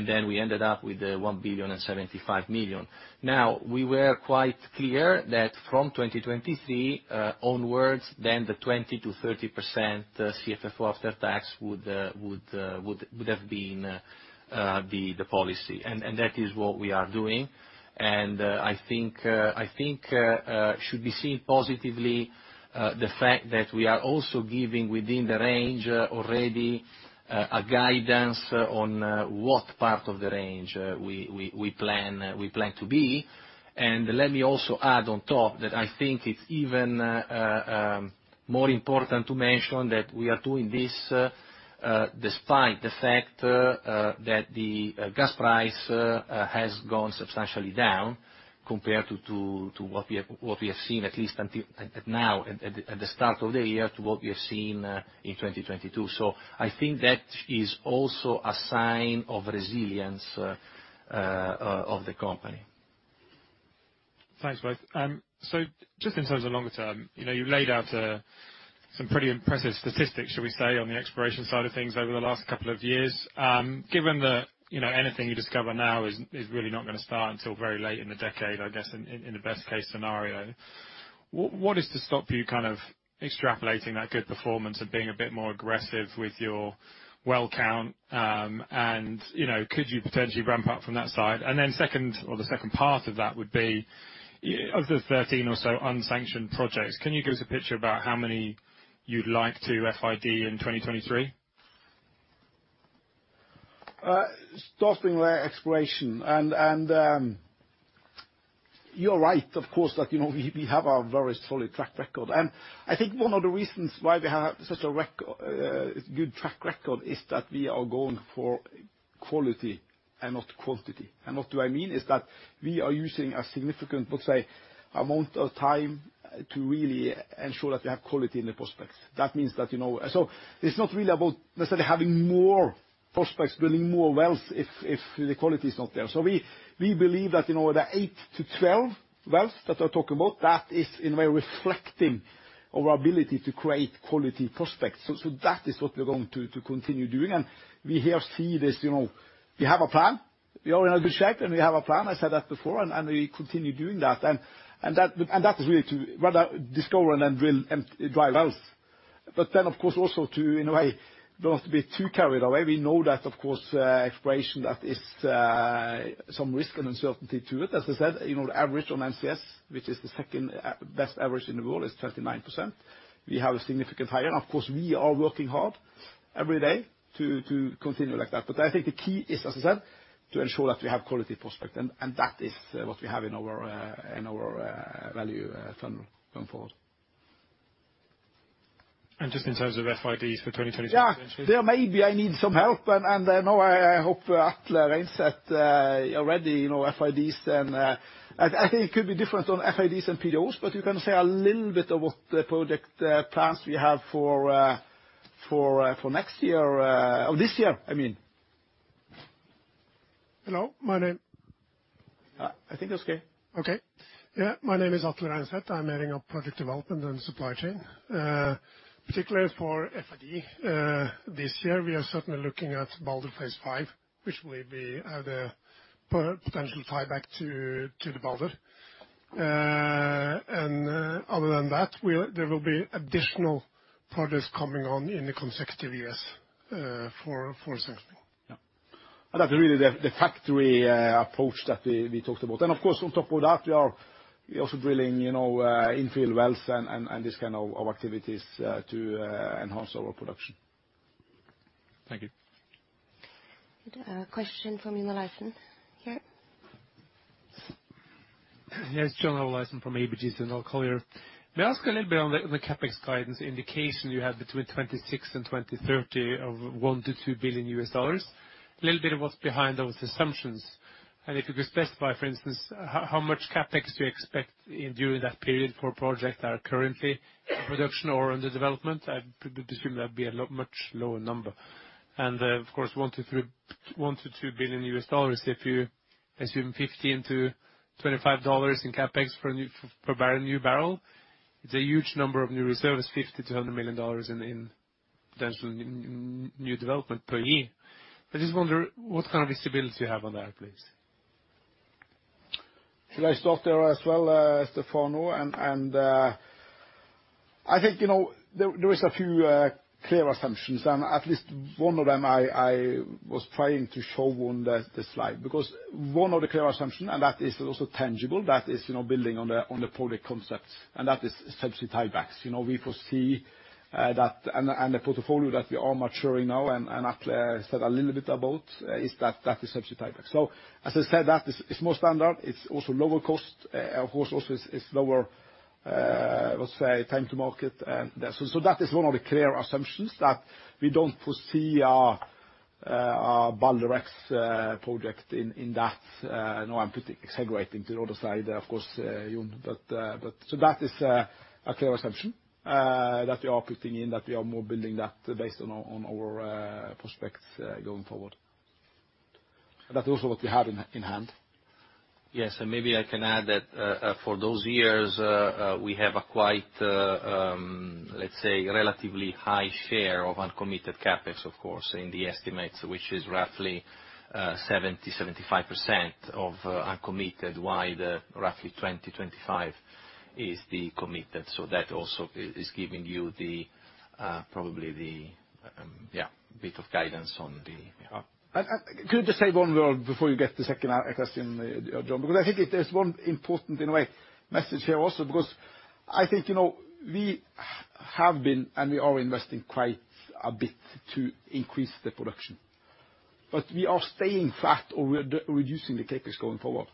We ended up with $1.075 billion. We were quite clear that from 2023 onwards, then the 20%-30% CFFO after tax would have been the policy. That is what we are doing. And, I think, I think, should be seen positively, the fact that we are also giving within the range already, a guidance on, what part of the range we plan to be. And let me also add on top that I think it's even, um, more important to mention that we are doing this, despite the fact, that the gas price has gone substantially down compared to what we have seen at least until now at the start of the year, to what we have seen, in 2022. So I think that is also a sign of resilience of the company. Thanks both. Just in terms of longer term, you know, you laid out some pretty impressive statistics, shall we say, on the exploration side of things over the last couple of years. Given that, you know, anything you discover now is really not gonna start until very late in the decade, I guess, in the best case scenario, what is to stop you kind of extrapolating that good performance and being a bit more aggressive with your well count, and, you know, could you potentially ramp up from that side? Second or the second part of that would be, of the 13 or so unsanctioned projects, can you give us a picture about how many you'd like to FID in 2023? Starting with exploration and, you're right, of course, like, you know, we have a very solid track record. I think one of the reasons why we have such a good track record is that we are going for quality and not quantity. What do I mean is that we are using a significant, let's say amount of time to really ensure that we have quality in the prospects. That means that, you know. It's not really about necessarily having more prospects, building more wells if the quality is not there. We believe that, you know, the eight to 12 wells that we're talking about, that is in a way reflecting our ability to create quality prospects. That is what we're going to continue doing. We here see this, you know, we have a plan. We are in a good shape, and we have a plan. I said that before, and we continue doing that. That is really to rather discover and then drill and drive wells. Of course also to, in a way, don't want to be too carried away. We know that of course, exploration that is some risk and uncertainty to it. As I said, you know, the average on NCS, which is the second best average in the world, is 39%. We have a significant higher. Of course, we are working hard every day to continue like that. I think the key is, as I said, to ensure that we have quality prospect. That is what we have in our, in our, value, funnel going forward. Just in terms of FIDs for 2023 potentially. Yeah. There maybe I need some help. I know I hope Atle Reinseth already know FIDs and I think it could be different on FIDs and PDOs, but you can say a little bit about the project plans we have for next year or this year, I mean. Hello, my name— I think that's okay. Okay. Yeah, my name is Atle Reinseth. I'm heading up project development and supply chain. Particularly for FID this year, we are certainly looking at Balder Phase V, which will be the potential tie-back to the Balder. Other than that, there will be additional projects coming on in the consecutive years for certain. Yeah. That's really the factory approach that we talked about. Of course, on top of that, we're also drilling, you know, infill wells and this kind of activities to enhance our production. Thank you. Good. question from John Olaisen here. Yes, John Olaisen from ABG Sundal Collier. May I ask a little bit on the CapEx guidance indication you have between 2026 and 2030 of $1 billion-$2 billion? A little bit of what's behind those assumptions. If you could specify, for instance, how much CapEx do you expect during that period for projects that are currently in production or under development? I'd presume that'd be a much lower number. Of course, $1 billion-$2 billion if you assume $15-$25 in CapEx for a new, for a new barrel. It's a huge number of new reserves, $50 million-$100 million in potential new development per year. I just wonder what kind of visibility you have on that, please. Should I start there as well, Stefano? I think, you know, there is a few clear assumptions, and at least one of them I was trying to show on the slide. One of the clear assumption, and that is also tangible, that is, you know, building on the project concepts, and that is substitute tie-backs. You know, we foresee that and the portfolio that we are maturing now and Atle said a little bit about is that is substitute tie-backs. As I said, that is more standard. It's also lower cost. Of course, also it's lower, let's say time to market and that. That is one of the clear assumptions that we don't foresee our Balder X project in that. Now I'm putting, exaggerating to the other side, of course, you know, but so that is a clear assumption that we are putting in, that we are more building that based on our prospects going forward. That's also what we have in hand. Yes. Maybe I can add that, for those years, we have a quite, let's say, relatively high share of uncommitted CapEx, of course, in the estimates, which is roughly 70%-75% of uncommitted, while the roughly 20%-25% is the committed. That also is giving you the, probably the, yeah, bit of guidance on the, yeah. Could you just say one word before you get the second question, John? I think there's one important, in a way, message here also, because I think, you know, we have been, and we are investing quite a bit to increase the production. We are staying flat or reducing the CapEx going forward.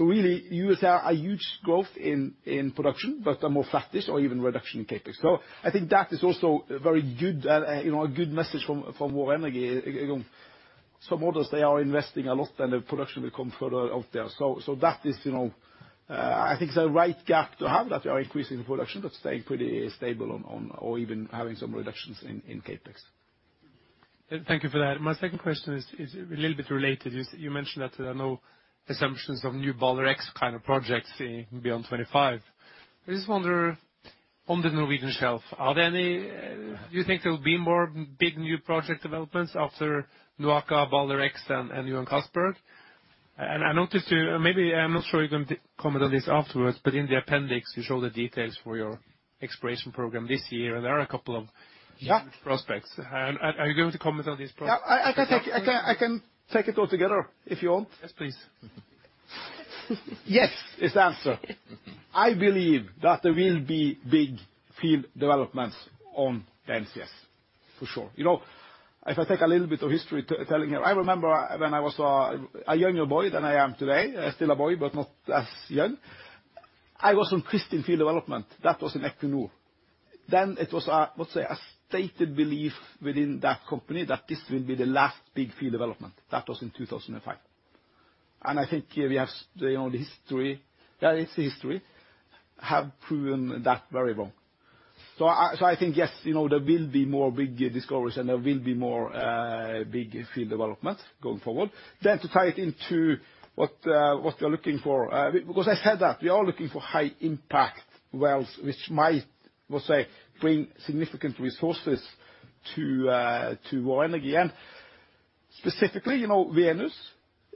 Really, you will see a huge growth in production, but a more flattish or even reduction in CapEx. I think that is also a very good, you know, a good message from Vår Energi, you know. Some others, they are investing a lot and the production will come further out there. That is, you know, I think the right gap to have, that we are increasing the production but staying pretty stable on or even having some reductions in CapEx. Thank you for that. My second question is a little bit related. You mentioned that there are no assumptions of new Balder X kind of projects beyond 2025. I just wonder on the Norwegian Shelf, are there any? Do you think there will be more big new project developments after NOAKA, Balder X and Johan Castberg? I noticed you. Maybe, I'm not sure you're going to comment on this afterwards, but in the appendix, you show the details for your exploration program this year. There are a couple of prospects. Yeah. Are you going to comment on these prospects? Yeah, I can take it all together, if you want. Yes, please. Yes, is the answer. I believe that there will be big field developments on the NCS, for sure. You know, if I take a little bit of history here, I remember when I was a younger boy than I am today, still a boy, but not as young. I was on Kristin field development. That was in Equinor. It was a, let's say, a stated belief within that company that this will be the last big field development. That was in 2005. I think we have the, you know, the history, that is history, have proven that very wrong. I think, yes, you know, there will be more big discoveries, and there will be more big field developments going forward. To tie it into what you're looking for, because I said that we are looking for high impact wells, which might, we'll say, bring significant resources to Vår Energi. Specifically, you know, Venus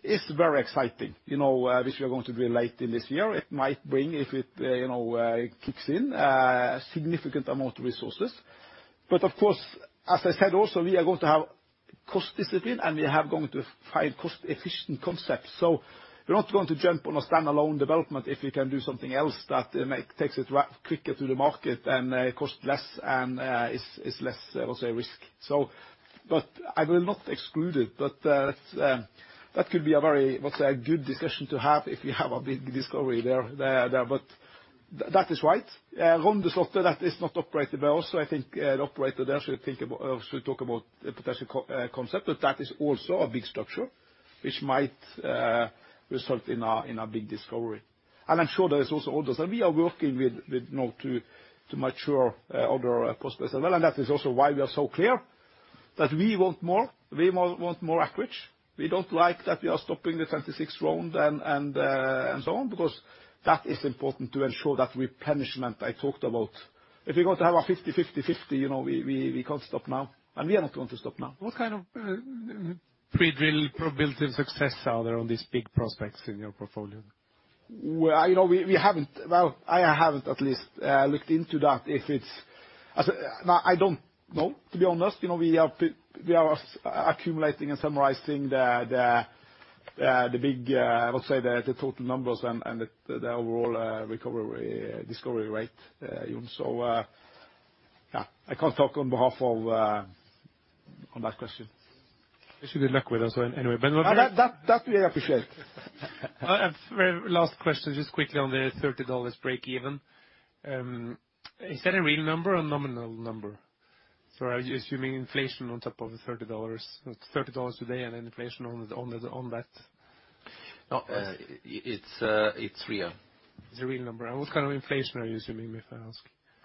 is very exciting, you know, which we are going to relate in this year. It might bring, if it, you know, kicks in, significant amount of resources. Of course, as I said, also, we are going to have cost discipline, and we are going to find cost-efficient concepts. We're not going to jump on a standalone development if we can do something else that takes it quicker to the market and cost less and is less, let's say, risk. I will not exclude it, but that could be a very, let's say, a good discussion to have if we have a big discovery there. That is right. Rondeslottet, that is not operated by us. I think the operator there should think about or should talk about a potential concept. That is also a big structure which might result in a big discovery. I'm sure there is also others. We are working with Nordea to mature other prospects as well. That is also why we are so clear that we want more, we want more acreage. We don't like that we are stopping the 26th round and so on, because that is important to ensure that replenishment I talked about. If we're going to have a 50-50-50, you know, we can't stop now, and we are not going to stop now. What kind of pre-drill probability of success are there on these big prospects in your portfolio? Well, you know, I haven't at least looked into that. No, I don't know, to be honest. You know, we are accumulating and summarizing the big, I would say the total numbers and the overall recovery discovery rate, John. Yeah, I can't talk on behalf of on that question. Wish you good luck with it so anyway. That we appreciate. very last question, just quickly on the $30 breakeven. Is that a real number or nominal number? Are you assuming inflation on top of the $30, $30 today and then inflation on that? No, it's real. It's a real number. What kind of inflation are you assuming, if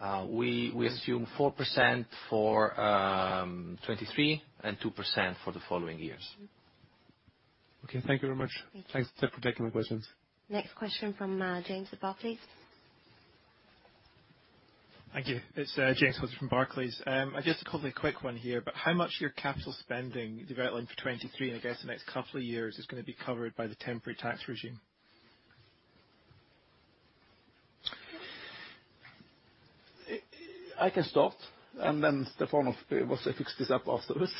I ask? We assume 4% for 2023 and 2% for the following years. Okay. Thank you very much. Thanks, for taking my questions. Next question from James at Barclays. Thank you. It's James Hosie from Barclays. I guess probably a quick one here, how much of your capital spending development for 2023, and I guess the next couple of years, is gonna be covered by the temporary tax regime? I can start, and then Stefano will say, fix this up afterwards.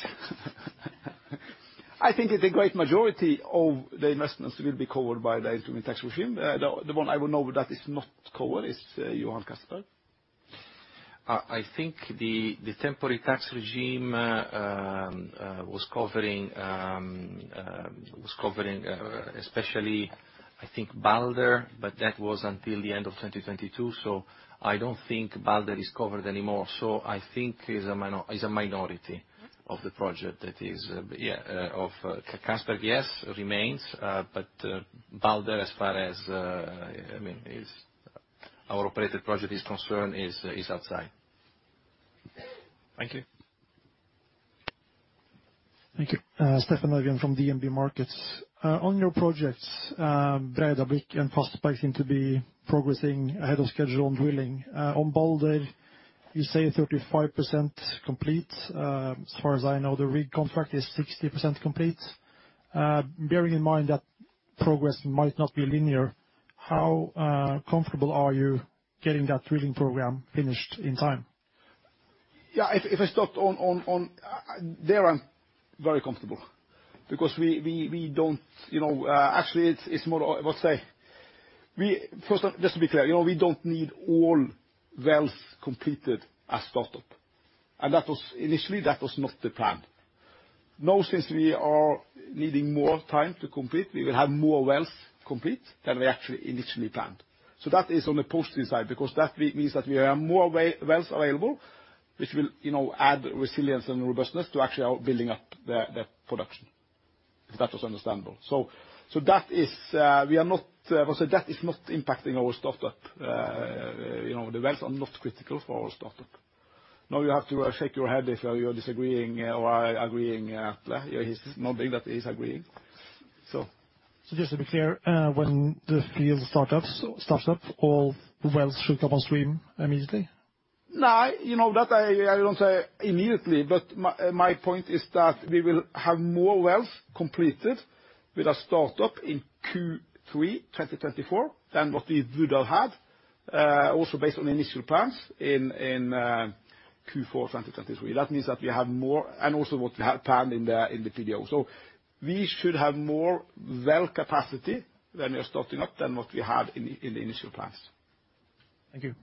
I think the great majority of the investments will be covered by the instrument tax regime. The one I would know that is not covered is Johan Castberg. I think the temporary tax regime was covering especially, I think Balder, but that was until the end of 2022. I don't think Balder is covered anymore. I think is a minority of the project that is, yeah, of Castberg, yes, remains, but Balder, as far as I mean, is our operated project is concerned is outside. Thank you. Thank you. Steffen Evjen from DNB Markets. On your projects, Breidablikk and Wisting seem to be progressing ahead of schedule on drilling. On Balder, you say 35% complete. As far as I know, the rig contract is 60% complete. Bearing in mind that progress might not be linear, how comfortable are you getting that drilling program finished in time? Yeah, if I start on—there, I'm very comfortable because we don't, you know, actually, it's more, let's say, we—just to be clear, you know, we don't need all wells completed at startup. That was initially, that was not the plan. Now, since we are needing more time to complete, we will have more wells complete than we actually initially planned. That is on the positive side because that means that we have more wells available, which will, you know, add resilience and robustness to actually our building up the production, if that was understandable. That is, we are not, well that is not impacting our startup. You know, the wells are not critical for our startup. Now you have to shake your head if you are disagreeing or agreeing, Atle Reinseth. He's nodding that he's agreeing. Just to be clear, when the field starts up, all the wells should come on stream immediately? No, you know, that I don't say immediately, but my point is that we will have more wells completed with a startup in Q3 2024 than what we would have had, also based on initial plans in Q4 2023. What we have planned in the PDO. We should have more well capacity when we are starting up than what we had in the initial plans. Thank you.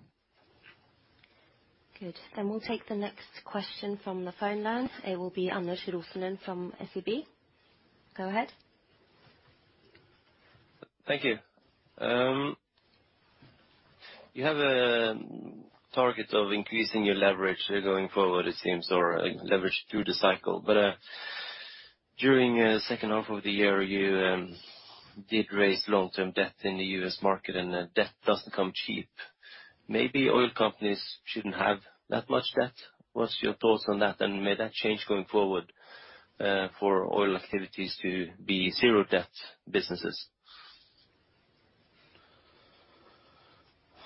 Good. We'll take the next question from the phone lines. It will be Anders Rosenlund from SEB. Go ahead. Thank you. You have a target of increasing your leverage going forward, it seems, or leverage through the cycle. During second half of the year, you did raise long-term debt in the U.S. market, and the debt doesn't come cheap. Maybe oil companies shouldn't have that much debt. What's your thoughts on that, and may that change going forward for oil activities to be zero-debt businesses?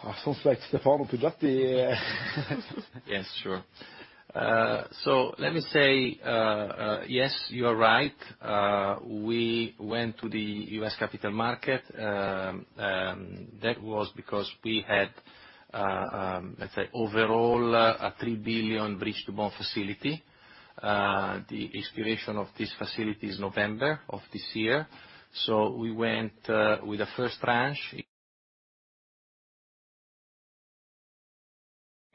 I think Stefano could like the— Yes, sure. Let me say, yes, you are right. We went to the U.S. capital market, that was because we had, let's say overall a $3 billion bridge-to-bond facility. The expiration of this facility is November of this year. We went with the first tranche in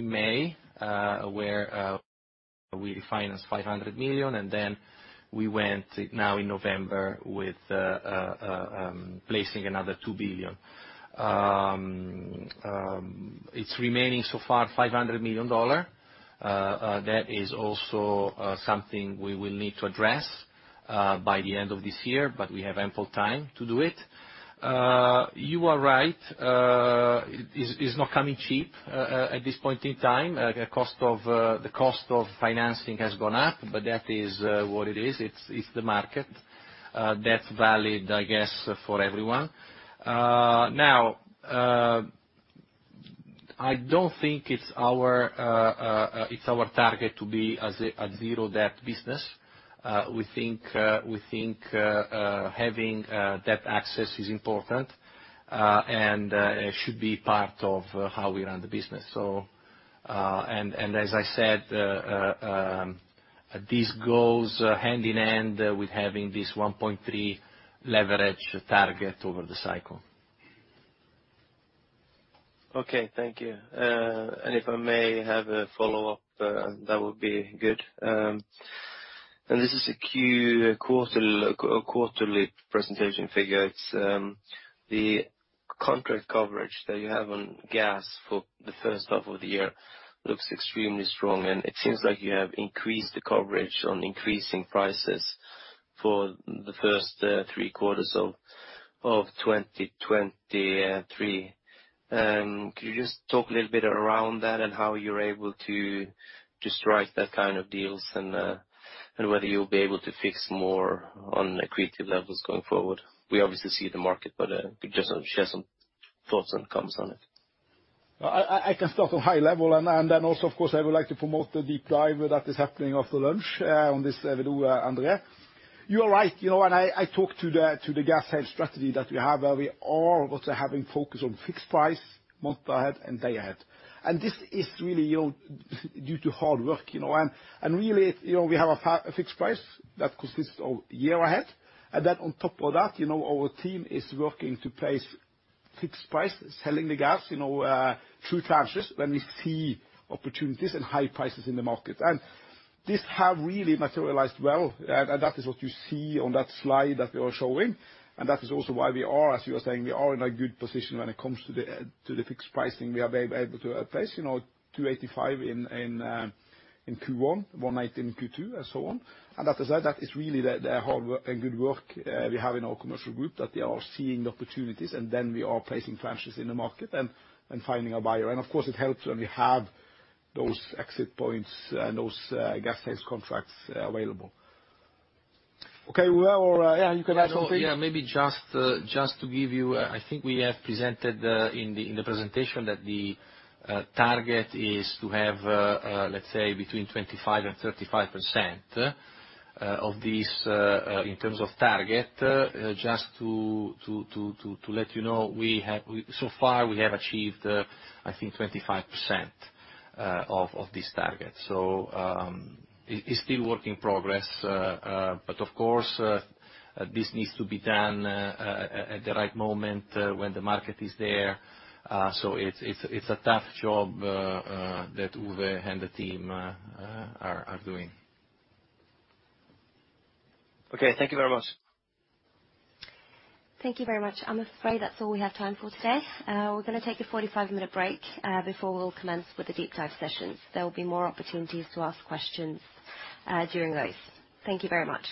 May, where we refinanced $500 million, and then we went now in November with placing another $2 billion. It's remaining so far $500 million. That is also something we will need to address by the end of this year, we have ample time to do it. You are right. It's not coming cheap. At this point in time, the cost of financing has gone up, that is what it is. It's the market that's valid, I guess, for everyone. I don't think it's our target to be a zero-debt business. We think, having debt access is important, and should be part of how we run the business. As I said, this goes hand in hand with having this 1.3x leverage target over the cycle. Okay. Thank you. If I may have a follow-up, that would be good. This is a quarter, quarterly presentation figure. It's the contract coverage that you have on gas for the first half of the year looks extremely strong, and it seems like you have increased the coverage on increasing prices for the first three quarters of 2023. Could you just talk a little bit around that and how you're able to strike that kind of deals and whether you'll be able to fix more on creative levels going forward? We obviously see the market. Could you just share some thoughts and comments on it? I can start on high level and then also, of course, I would like to promote the deep dive that is happening after lunch on this with Uwe, Anders. You are right. You know, I talked to the gas sales strategy that we have, where we are also having focus on fixed price, month ahead and day ahead. This is really, you know, due to hard work, you know. Really, you know, we have a fixed price that consists of year ahead. Then on top of that, you know, our team is working to place fixed price, selling the gas, you know, through tranches when we see opportunities and high prices in the market. This have really materialized well, and that is what you see on that slide that we are showing. That is also why we are, as you are saying, we are in a good position when it comes to the fixed pricing. We are able to place, you know, $285 in Q1, $190 in Q2 and so on. That is that is really the hard work and good work we have in our commercial group, that they are seeing the opportunities and then we are placing tranches in the market and finding a buyer. Of course it helps when we have those exit points and those gas sales contracts available. Okay. Uwe or—yeah, you can add something. Yeah, maybe just to give you, I think we have presented in the presentation that the target is to have, let's say between 25% and 35% of these, in terms of target. Just to let you know, we have, so far we have achieved, I think 25% of this target. It's still work in progress. Of course, this needs to be done at the right moment, when the market is there. It's a tough job that Uwe and the team are doing. Okay. Thank you very much. Thank you very much. I'm afraid that's all we have time for today. We're gonna take a 45 minute break, before we'll commence with the deep dive sessions. There will be more opportunities to ask questions, during those. Thank you very much.